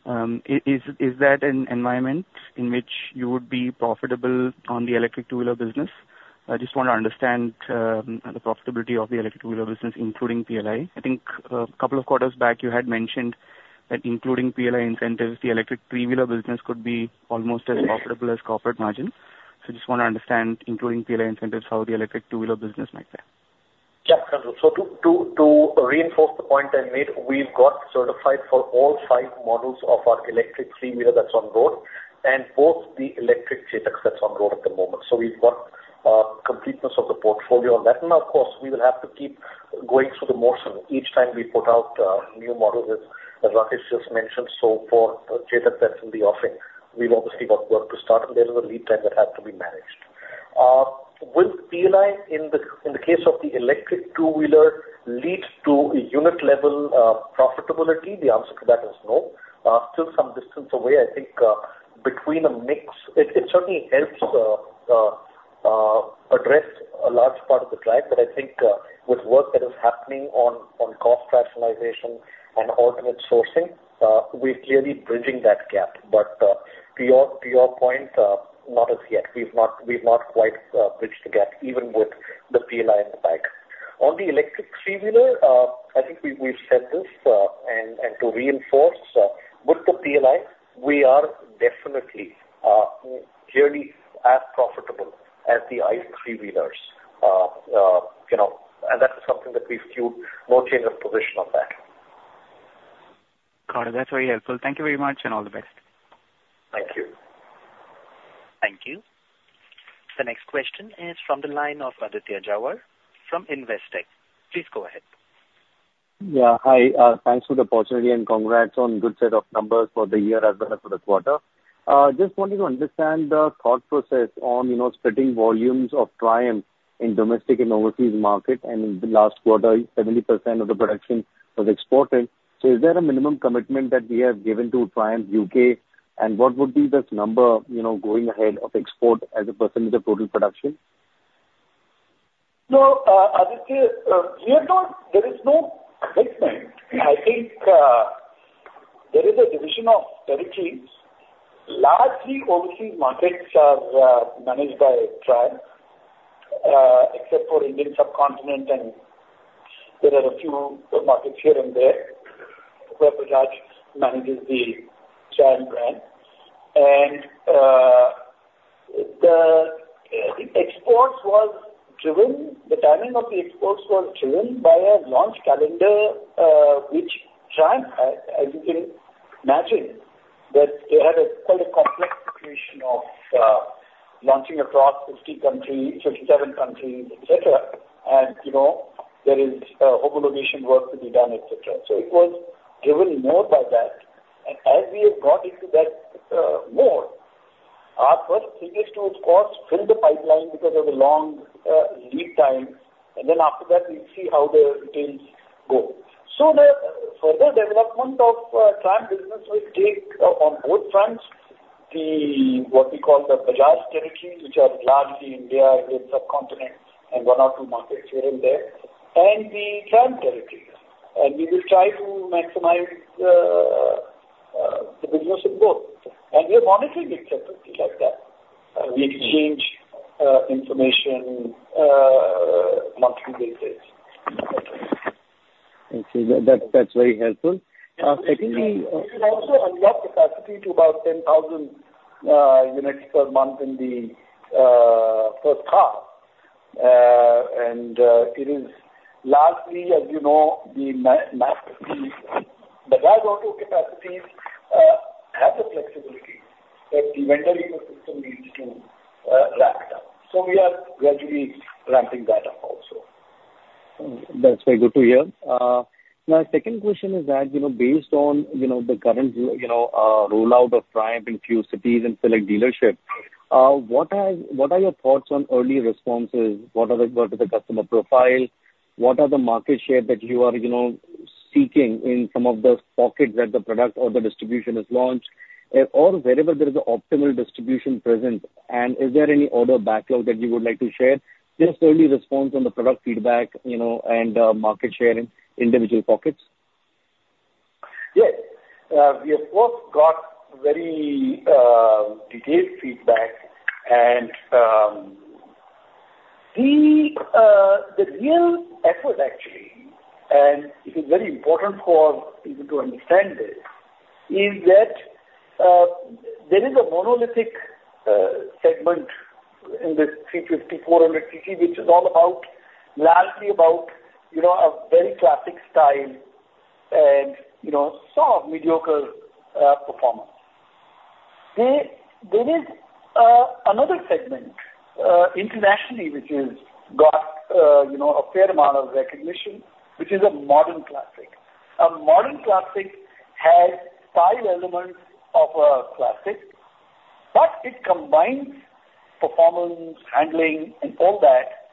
is that an environment in which you would be profitable on the electric two-wheeler business? I just want to understand the profitability of the electric two-wheeler business, including PLI. I think a couple of quarters back, you had mentioned that including PLI incentives, the electric three-wheeler business could be almost as profitable as corporate margins. So just want to understand, including PLI incentives, how the electric two-wheeler business might play. Yeah, Chandru. So to reinforce the point I made, we've got certified for all five models of our electric three-wheeler that's on road, and both the electric Chetaks that's on road at the moment. So we've got completeness of the portfolio on that. And of course, we will have to keep going through the motion each time we put out new models, as Rakesh just mentioned. So for Chetak, that's in the offing, we've obviously got work to start, and there is a lead time that has to be managed. With PLI, in the case of the electric two-wheeler, leads to a unit level profitability? The answer to that is no. Still some distance away. I think, between the mix, it certainly helps address a large part of the drive, but I think, with work that is happening on cost rationalization and alternate sourcing, we're clearly bridging that gap. But, to your point, not as yet. We've not quite bridged the gap, even with the PLI in the bag. On the electric three-wheeler, I think we, we've said this, and to reinforce, with the PLI, we are definitely clearly as profitable as the ICE three-wheelers. You know, and that is something that we feel more change of position on that. Got it. That's very helpful. Thank you very much, and all the best. Thank you. Thank you. The next question is from the line of Aditya Jhawar from Investec. Please go ahead. Yeah, hi, thanks for the opportunity, and congrats on good set of numbers for the year as well as for the quarter. Just wanted to understand the thought process on, you know, splitting volumes of Triumph in domestic and overseas market, and in the last quarter, 70% of the production was exported. So is there a minimum commitment that we have given to Triumph U.K.? And what would be this number, you know, going ahead of export as a percentage of total production? No, Aditya, we are not, there is no commitment. I think, there is a division of territories. Largely, overseas markets are managed by Triumph, except for Indian subcontinent, and there are a few markets here and there, where Bajaj manages the Triumph brand. And, the exports was driven, the timing of the exports was driven by a launch calendar, which Triumph, as you can imagine, that they had a quite a complex situation of launching across 50 countries, 57 countries, et cetera. And, you know, homologation work to be done, et cetera. So it was driven more by that. And as we have got into that mode, our first thing is to, of course, fill the pipeline because of the long lead time, and then after that, we'll see how the details go. The further development of Triumph business will take on both fronts-... what we call the Bajaj territories, which are largely India and the subcontinent, and one or two markets here and there, and the Triumph territories. We will try to maximize the business in both. We are monitoring the territories like that. We exchange information monthly basis. I see. That, that's very helpful. Secondly- We've also unlocked capacity to about 10,000 units per month in the H1. And it is largely, as you know, the Bajaj Auto capacities have the flexibility that the vendor ecosystem needs to ramp it up. So we are gradually ramping that up also. That's very good to hear. My second question is that, you know, based on, you know, the current, you know, rollout of Triumph in few cities and select dealership, what are, what are your thoughts on early responses? What are the customer profile? What are the market share that you are, you know, seeking in some of the pockets that the product or the distribution is launched? Or wherever there is an optimal distribution present, and is there any order backlog that you would like to share? Just early response on the product feedback, you know, and market share in individual pockets. Yes. We, of course, got very detailed feedback. The real effort actually, and it is very important for people to understand this, is that there is a monolithic segment in this 350 cc, 400 cc, which is all about, largely about, you know, a very classic style and, you know, sort of mediocre performance. There is another segment internationally, which has got you know, a fair amount of recognition, which is a modern classic. A modern classic has five elements of a classic, but it combines performance, handling and all that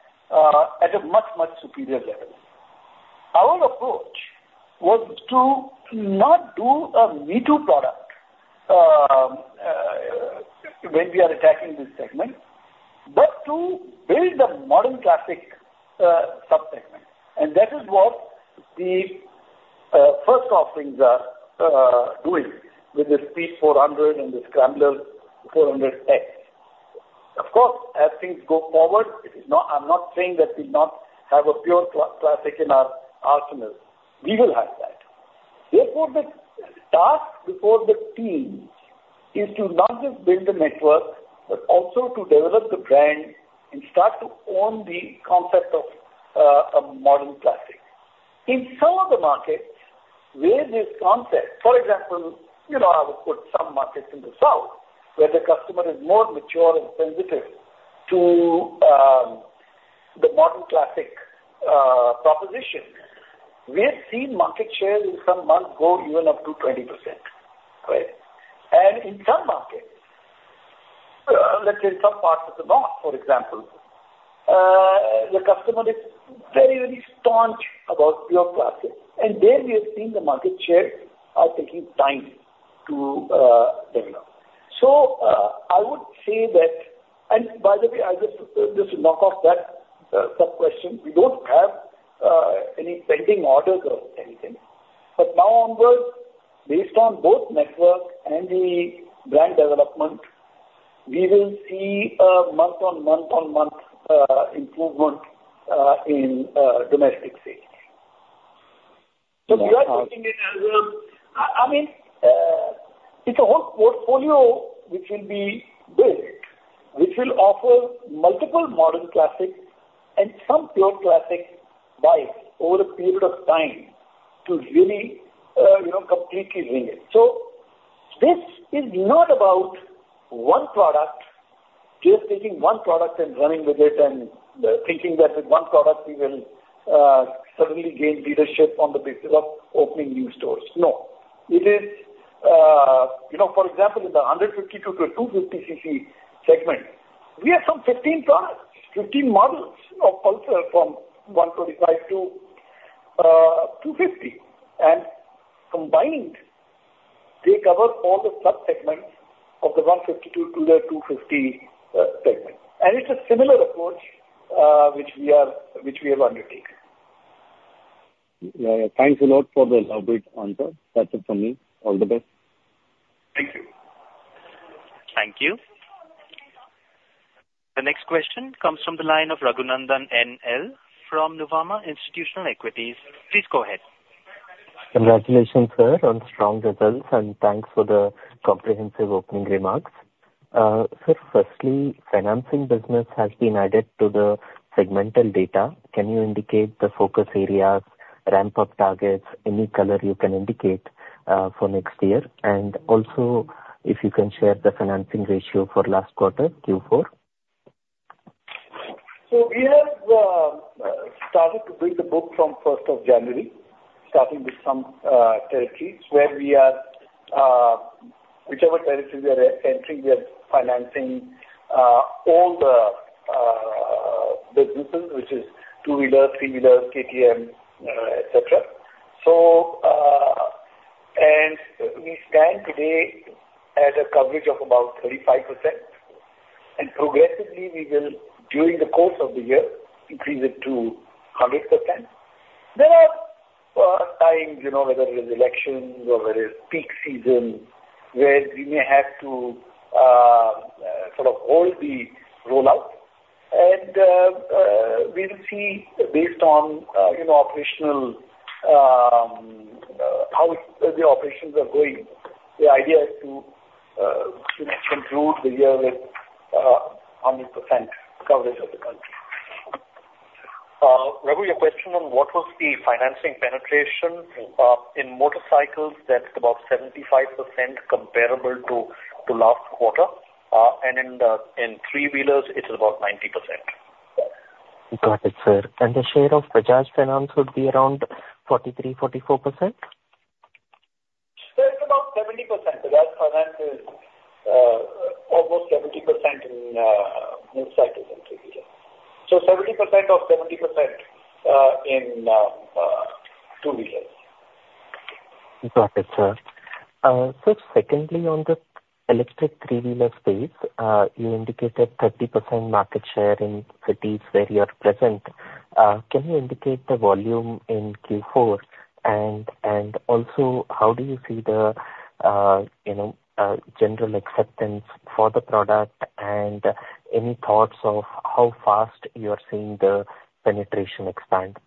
at a much, much superior level. Our approach was to not do a me-too product when we are attacking this segment, but to build a modern classic subsegment. And that is what the first offerings are doing with the Speed 400 and the Scrambler 400 X. Of course, as things go forward, it is not—I'm not saying that we not have a pure classic in our arsenal. We will have that. Therefore, the task before the teams is to not just build the network, but also to develop the brand and start to own the concept of a modern classic. In some of the markets where this concept, for example, you know, I would put some markets in the South, where the customer is more mature and sensitive to the modern classic proposition. We have seen market shares in some months go even up to 20%. Right? And in some markets, let's say in some parts of the North, for example, the customer is very, very staunch about pure classic, and there we have seen the market share are taking time to develop. So, I would say that... And by the way, I'll just, just knock off that sub-question. We don't have any pending orders or anything. But now onwards, based on both network and the brand development, we will see a month-on-month-on-month improvement in domestic sales. So we are taking it as a, I, I mean, it's a whole portfolio which will be built, which will offer multiple modern classics and some pure classic bikes over a period of time to really, you know, completely win it. So this is not about one product, just taking one product and running with it and thinking that with one product we will suddenly gain leadership on the basis of opening new stores. No. It is, you know, for example, in the 150 cc to 250 cc segment, we have some 15 products, 15 models of Pulsar from 125 cc to 250 cc. And combined, they cover all the subsegments of the 150 cc to 200 cc to the 250 cc segment. And it's a similar approach which we are, which we have undertaken. Thanks a lot for the elaborate answer. That's it from me. All the best. Thank you. Thank you. The next question comes from the line of Raghunandan NL from Nuvama Institutional Equities. Please go ahead. Congratulations, sir, on strong results, and thanks for the comprehensive opening remarks. Sir, firstly, financing business has been added to the segmental data. Can you indicate the focus areas, ramp-up targets, any color you can indicate, for next year? And also, if you can share the financing ratio for last quarter, Q4. So we have started to build the book from first of January, starting with some territories, where we are, whichever territories we are entering, we are financing all the group, which is two-wheeler, three-wheeler, KTM, et cetera. And we stand today at a coverage of about 35%, and progressively we will, during the course of the year, increase it to 100%. There are times, you know, whether it is elections or whether it's peak season, where we may have to sort of hold the rollout, and we'll see based on, you know, operational how the operations are going. The idea is to, you know, conclude the year with 100% coverage of the country. Raghun, your question on what was the financing penetration in motorcycles, that's about 75% comparable to last quarter, and in three-wheelers it's about 90%. Got it, sir. And the share of Bajaj Finance would be around 43%-44%? Sir, it's about 70%. Bajaj Finance is almost 70% in motorcycles and three-wheeler. So 70% of 70% in two-wheelers. Got it, sir. So secondly, on the electric three-wheeler space, you indicated 30% market share in cities where you're present. Can you indicate the volume in Q4? And also, how do you see the, you know, general acceptance for the product and any thoughts of how fast you are seeing the penetration expand?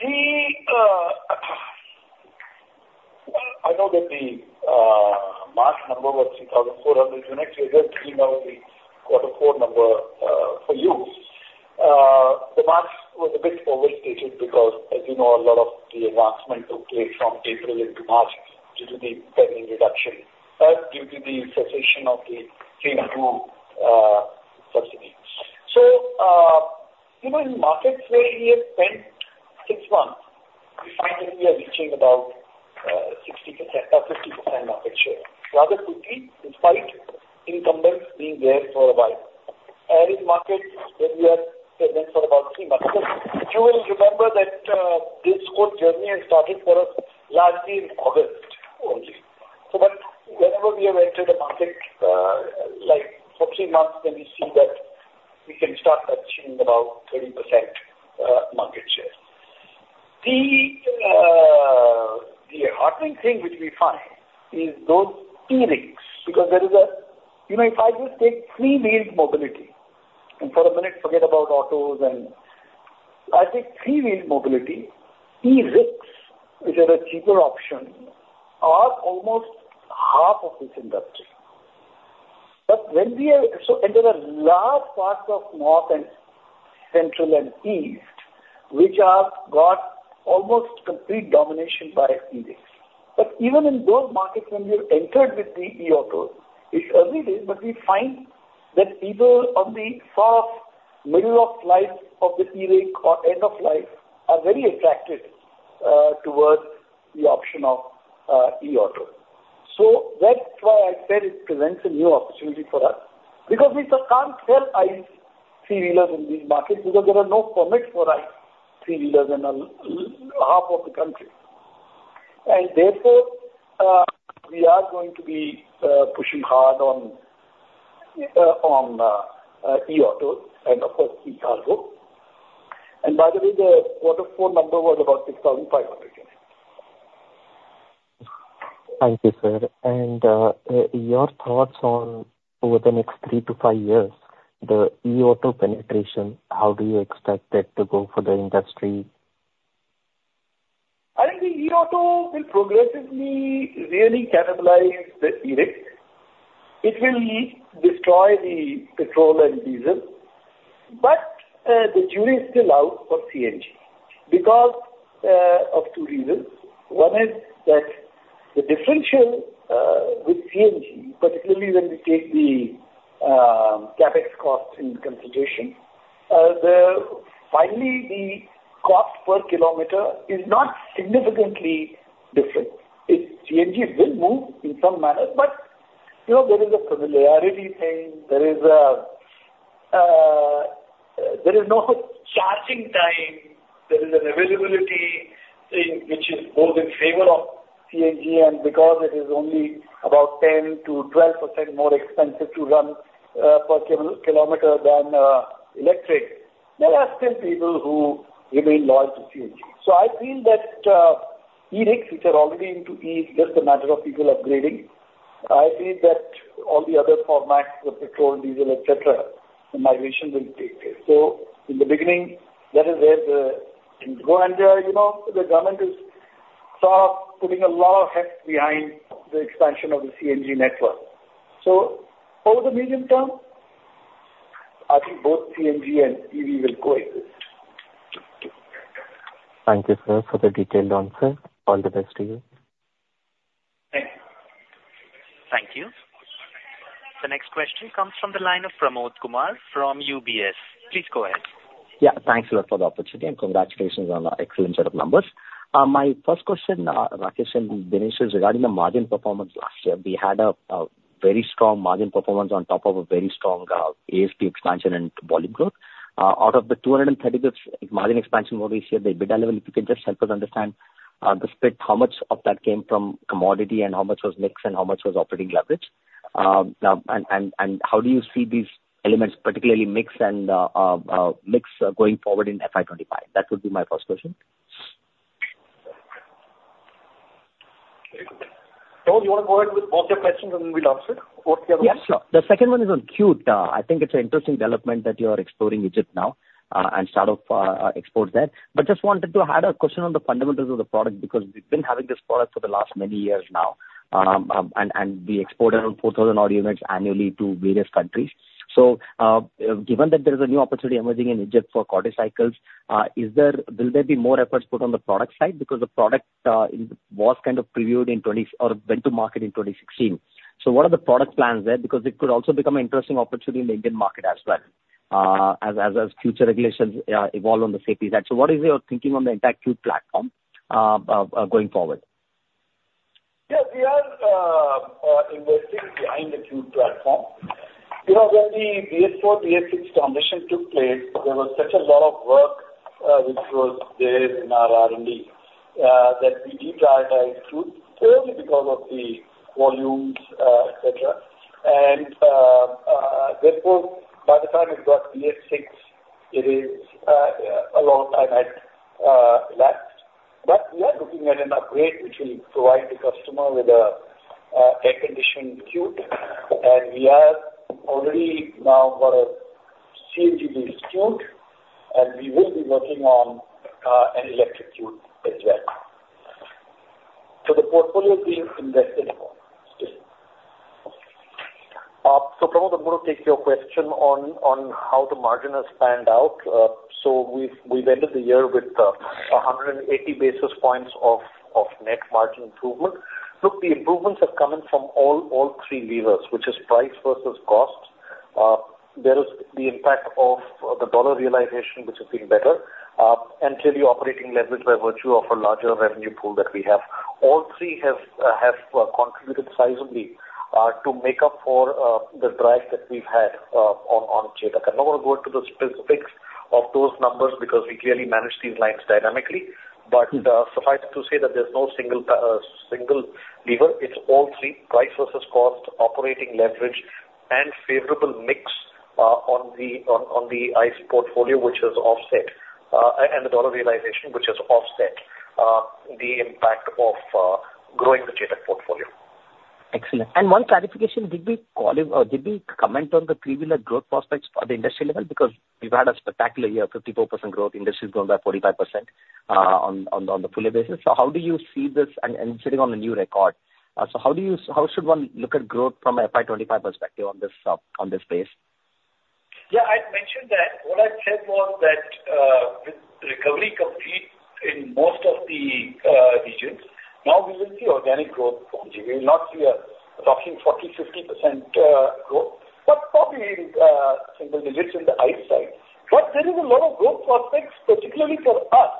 I know that the March number was 3,400 units. We will email the Q4 number for you. The March was a bit overstated because, as you know, a lot of the advancement took place from April into March due to the 10% reduction due to the cessation of the FAME II subsidy. So, you know, in markets where we have spent six months, we find that we are reaching about 60%, 50% market share rather quickly, despite incumbents being there for a while. And in markets where we are present for about 3 months, you will remember that this whole journey has started for us largely in August only. So but whenever we have entered the market, like for three months, then we see that we can start achieving about 20% market share. The heartening thing which we find is those e-ricks, because there is a. You know, if I just take three-wheeled mobility, and for a minute forget about autos, and I take three-wheeled mobility, e-ricks, which are a cheaper option, are almost half of this industry. But when we are. So and there are large parts of North and Central and East, which got almost complete domination by e-ricks. But even in those markets, when we have entered with the e-auto, it's early days, but we find that people on the first, middle of life of the e-ricks or end of life, are very attracted towards the option of e-auto. So that's why I said it presents a new opportunity for us, because we still can't sell ICE three-wheelers in these markets because there are no permits for ICE three-wheelers in half of the country. And therefore, we are going to be pushing hard on on e-autos and, of course, e-cargo. And by the way, the Q4 number was about 6,500 units. Thank you, sir. Your thoughts on over the next 3-5 years, the e-auto penetration, how do you expect that to go for the industry? I think the e-auto will progressively really cannibalize the e-ricks. It will destroy the petrol and diesel, but the jury is still out for CNG because of two reasons. One is that the differential with CNG, particularly when we take the CapEx cost into consideration, the final, the cost per kilometer is not significantly different. CNG will move in some manner, but, you know, there is a familiarity thing, there is a there is no charging time, there is an availability thing which is more in favor of CNG, and because it is only about 10%-12% more expensive to run per kilometer than electric, there are still people who remain loyal to CNG. So I feel that e-ricks, which are already into E, it's just a matter of people upgrading. I feel that all the other formats, the petrol, diesel, et cetera, the migration will take place. So in the beginning, that is where the... And, you know, the government is start putting a lot of heft behind the expansion of the CNG network. So over the medium term, I think both CNG and EV will coexist. Thank you, sir, for the detailed answer. All the best to you. Thank you. Thank you. The next question comes from the line of Pramod Kumar from UBS. Please go ahead.... Yeah, thanks a lot for the opportunity, and congratulations on the excellent set of numbers. My first question, Rakesh and Dinesh, is regarding the margin performance last year. We had a very strong margin performance on top of a very strong ASP expansion and volume growth. Out of the 230 basis points margin expansion over this year, the EBITDA level, if you can just help us understand the split, how much of that came from commodity and how much was mix and how much was operating leverage? Now and, and, and how do you see these elements, particularly mix and mix going forward in FY 2025? That would be my first question. You want to go ahead with both your questions, and we'll answer both the other ones. Yeah, sure. The second one is on Qute. I think it's an interesting development that you are exploring Egypt now, and start off export there. But just wanted to add a question on the fundamentals of the product, because we've been having this product for the last many years now, and we export around 4,000 odd units annually to various countries. So, given that there is a new opportunity emerging in Egypt for quadricycles, is there—will there be more efforts put on the product side? Because the product was kind of previewed in 2020, or went to market in 2016. So what are the product plans there? Because it could also become an interesting opportunity in the Indian market as well, as future regulations evolve on the safety side. What is your thinking on the entire Qute platform, going forward? Yeah, we are investing behind the Qute platform. You know, when the BS4, BS6 transition took place, there was such a lot of work, which was there in our R&D, that we did prioritize Qute, purely because of the volumes, et cetera. And, therefore, by the time we got BS6, it is a long time had lapsed. But we are looking at an upgrade which will provide the customer with an air-conditioned Qute. And we are already now got a CNG Qute, and we will be working on an electric Qute as well. So the portfolio is being invested in more. So Pramod, I'm going to take your question on how the margin has panned out. So we've ended the year with 180 basis points of net margin improvement. Look, the improvements have come in from all three levers, which is price versus cost. There is the impact of the dollar realization, which has been better, and clearly operating leverage by virtue of a larger revenue pool that we have. All three have contributed sizably to make up for the drag that we've had on Chetak. I don't want to go into the specifics of those numbers because we clearly manage these lines dynamically. Mm-hmm. But, suffice it to say that there's no single lever. It's all three: price versus cost, operating leverage, and favorable mix on the ICE portfolio, which is offset, and the dollar realization, which has offset the impact of growing the Chetak portfolio. Excellent. One clarification, did we call it, or did we comment on the three-wheeler growth prospects for the industry level? Because we've had a spectacular year, 54% growth, industry has grown by 45%, on the full year basis. So how do you see this and, and sitting on a new record? So how do you... How should one look at growth from a FY 2025 perspective on this, on this base? Yeah, I had mentioned that. What I said was that, with recovery complete in most of the regions, now we will see organic growth from here. We will not see a rocketing 40%, 50% growth, but probably, single digits in the ICE side. But there is a lot of growth prospects, particularly for us,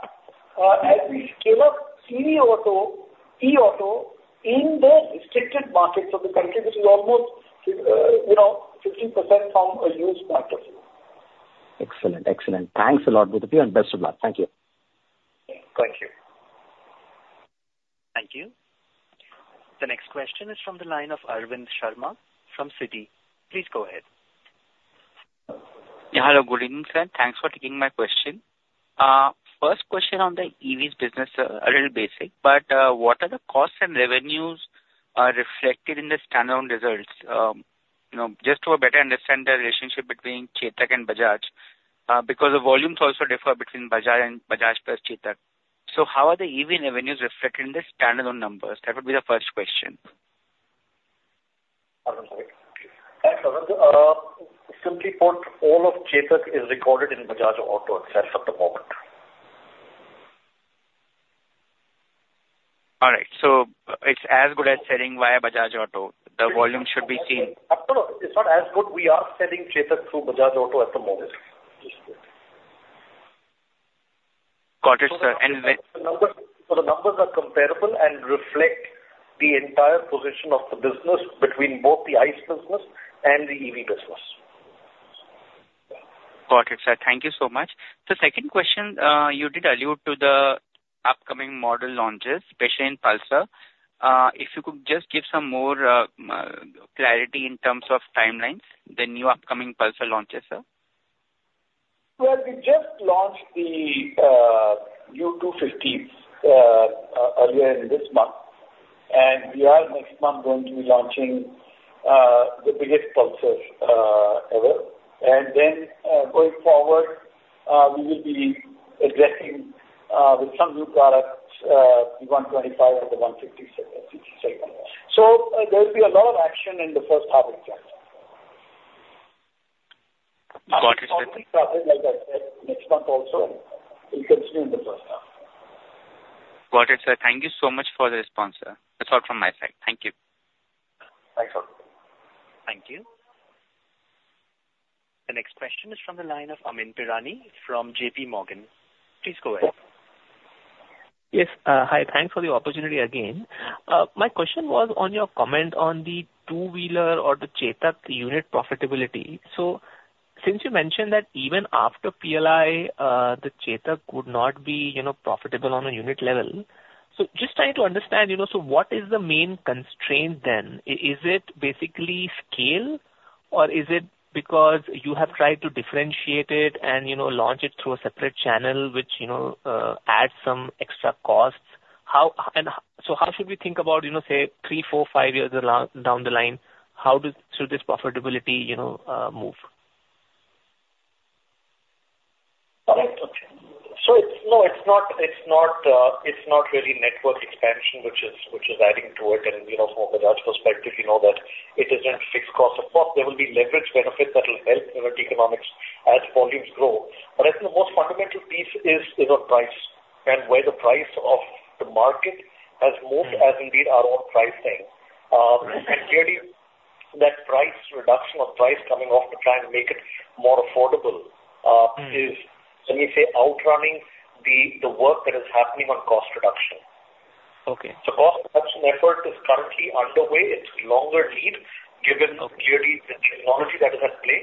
as we scale up three-wheeler auto, e-auto, in the restricted markets of the country, which is almost, you know, 15% of a huge market. Excellent. Excellent. Thanks a lot, both of you, and best of luck. Thank you. Thank you. Thank you. The next question is from the line of Arvind Sharma from Citi. Please go ahead. Yeah, hello. Good evening, sir. Thanks for taking my question. First question on the EVs business, a little basic, but, what are the costs and revenues are reflected in the standalone results? You know, just to better understand the relationship between Chetak and Bajaj, because the volumes also differ between Bajaj and Bajaj plus Chetak. So how are the EV revenues reflected in the standalone numbers? That would be the first question. Thanks, Arvind. Simply put, all of Chetak is recorded in Bajaj Auto itself at the moment. All right. It's as good as selling via Bajaj Auto. The volume should be same. Absolutely. It's not as good. We are selling Chetak through Bajaj Auto at the moment. Got it, sir. And with- The numbers, so the numbers are comparable and reflect the entire position of the business between both the ICE business and the EV business. Got it, sir. Thank you so much. The second question, you did allude to the upcoming model launches, especially in Pulsar. If you could just give some more clarity in terms of timelines, the new upcoming Pulsar launches, sir? Well, we just launched the new 250s earlier in this month, and we are next month going to be launching the biggest Pulsar ever. And then, going forward, we will be addressing with some new products the 125 cc and the 155 cc segment. So, there will be a lot of action in the H1 of next year. Got it, sir. Like I said, next month also, it will continue in the H1. Got it, sir. Thank you so much for the response, sir. That's all from my side. Thank you.... Thank you. The next question is from the line of Amyn Pirani from J.P. Morgan. Please go ahead. Yes, hi. Thanks for the opportunity again. My question was on your comment on the two-wheeler or the Chetak unit profitability. So since you mentioned that even after PLI, the Chetak would not be, you know, profitable on a unit level. So just trying to understand, you know, so what is the main constraint then? Is it basically scale, or is it because you have tried to differentiate it and, you know, launch it through a separate channel, which, you know, adds some extra costs? So how should we think about, you know, say, three, four, five years down the line? Should this profitability, you know, move? No, it's not. It's not really network expansion, which is adding to it. And, you know, from a large perspective, you know that it isn't fixed cost. Of course, there will be leverage benefits that will help economics as volumes grow. But I think the most fundamental piece is on price, and where the price of the market has moved, as indeed our own pricing. And clearly, that price reduction or price coming off to try and make it more affordable. Mm. is, let me say, outrunning the work that is happening on cost reduction. Okay. The cost reduction effort is currently underway. It's longer lead, given clearly the technology that is at play.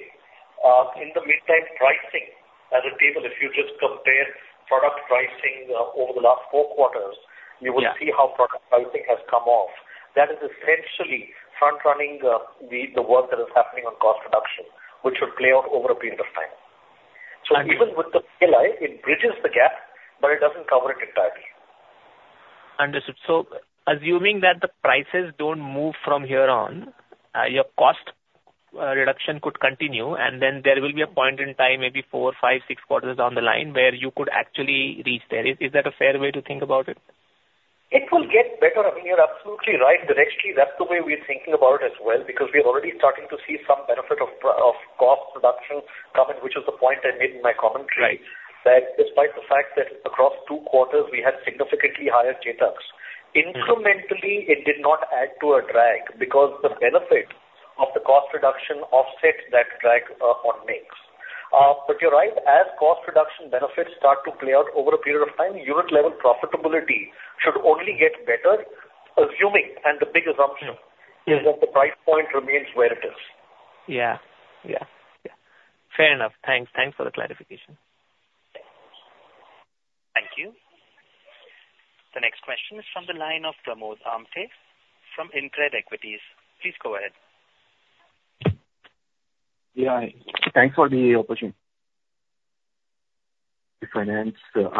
In the meantime, pricing as a table, if you just compare product pricing, over the last four quarters- Yeah. You will see how product pricing has come off. That is essentially front running the work that is happening on cost reduction, which should play out over a period of time. Understood. Even with the PLI, it bridges the gap, but it doesn't cover it entirely. Understood. So assuming that the prices don't move from here on, your cost reduction could continue, and then there will be a point in time, maybe four, five, six quarters down the line, where you could actually reach there. Is that a fair way to think about it? It will get better. I mean, you're absolutely right, Dinesh. That's the way we are thinking about it as well, because we are already starting to see some benefit of cost reduction coming, which is the point I made in my commentary. Right. That despite the fact that across two quarters we had significantly higher Chetaks. Mm. Incrementally, it did not add to a drag because the benefit of the cost reduction offsets that drag, on makes. But you're right, as cost reduction benefits start to play out over a period of time, unit level profitability should only get better, assuming, and the big assumption- Mm, yeah. is that the price point remains where it is. Yeah. Yeah. Yeah, fair enough. Thanks. Thanks for the clarification. Thank you. The next question is from the line of Pramod Amthe from InCred Equities. Please go ahead. Yeah, thanks for the opportunity. The finance, so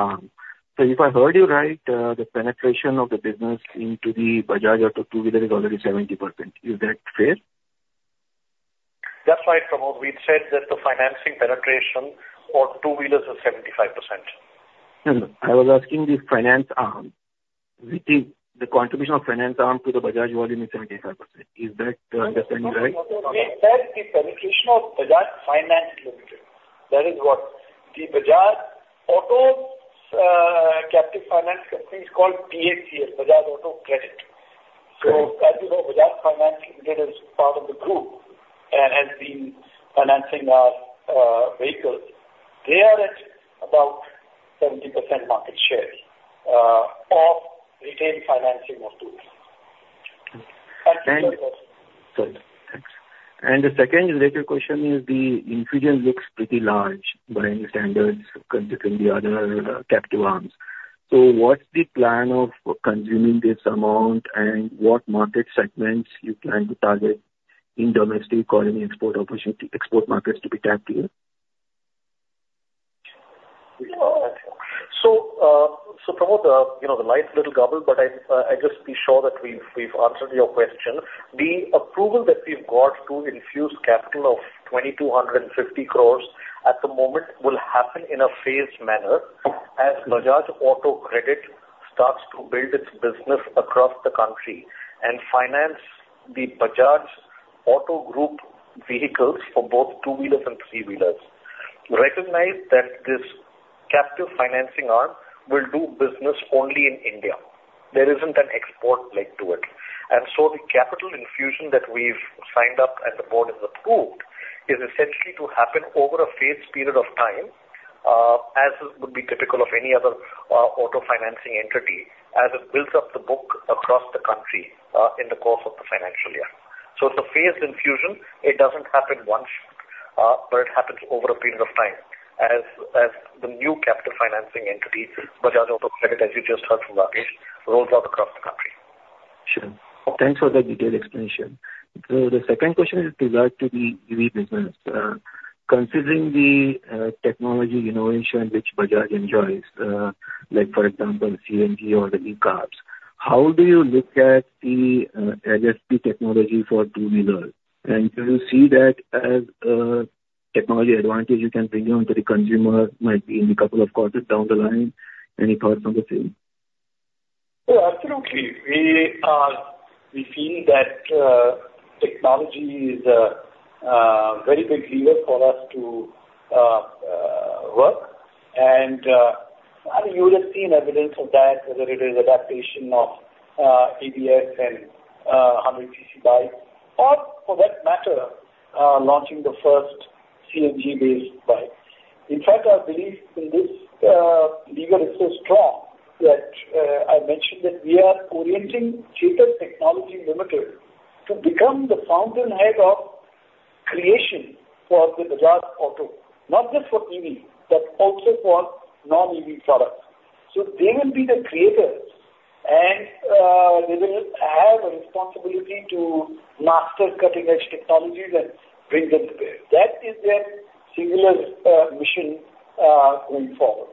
if I heard you right, the penetration of the business into the Bajaj Auto two-wheeler is already 70%. Is that fair? That's right, Pramod. We've said that the financing penetration for two-wheelers is 75%. No, no. I was asking the finance arm. The contribution of finance arm to the Bajaj volume is 75%. Is that understanding right? We said the penetration of Bajaj Finance Limited. That is what the Bajaj Auto's captive finance company is called BACL, Bajaj Auto Credit. Correct. As you know, Bajaj Finance Limited is part of the group and has been financing our vehicles. They are at about 70% market share of retail financing of two-wheelers. Okay. And- Sorry. Thanks. The second related question is, the infusion looks pretty large by any standards, considering the other captive arms. So what's the plan of consuming this amount, and what market segments you plan to target in domestic or any export opportunity, export markets to be tapped in? So, Pramod, you know, the last little garbled, but I, I just be sure that we've, we've answered your question. The approval that we've got to infuse capital of 2,250 crore at the moment will happen in a phased manner as Bajaj Auto Credit starts to build its business across the country and finance the Bajaj Auto Group vehicles for both two-wheelers and three-wheelers. Recognize that this captive financing arm will do business only in India. There isn't an export leg to it. And so the capital infusion that we've signed up and the board has approved is essentially to happen over a phased period of time, as would be typical of any other auto financing entity, as it builds up the book across the country, in the course of the financial year. So it's a phased infusion. It doesn't happen once, but it happens over a period of time as the new capital financing entity, Bajaj Auto Credit, as you just heard from Rakesh, rolls out across the country. Sure. Thanks for the detailed explanation. The second question is regards to the EV business. Considering the technology innovation which Bajaj enjoys, like, for example, CNG or the E-cars, how do you look at the ESP technology for two-wheelers? And do you see that as a technology advantage you can bring on to the consumer, might be in a couple of quarters down the line? Any thoughts on the same? Oh, absolutely. We feel that technology is a very big lever for us to work. And, I mean, you would have seen evidence of that, whether it is adaptation of ABS and 100 cc bikes, or for that matter, launching the first CNG-based bike. In fact, our belief in this lever is so strong that I mentioned that we are orienting Chetak Technology Limited to become the fountainhead of creation for the Bajaj Auto, not just for EV, but also for non-EV products. So they will be the creators, and they will have a responsibility to master cutting-edge technologies and bring them to bear. That is their singular mission going forward.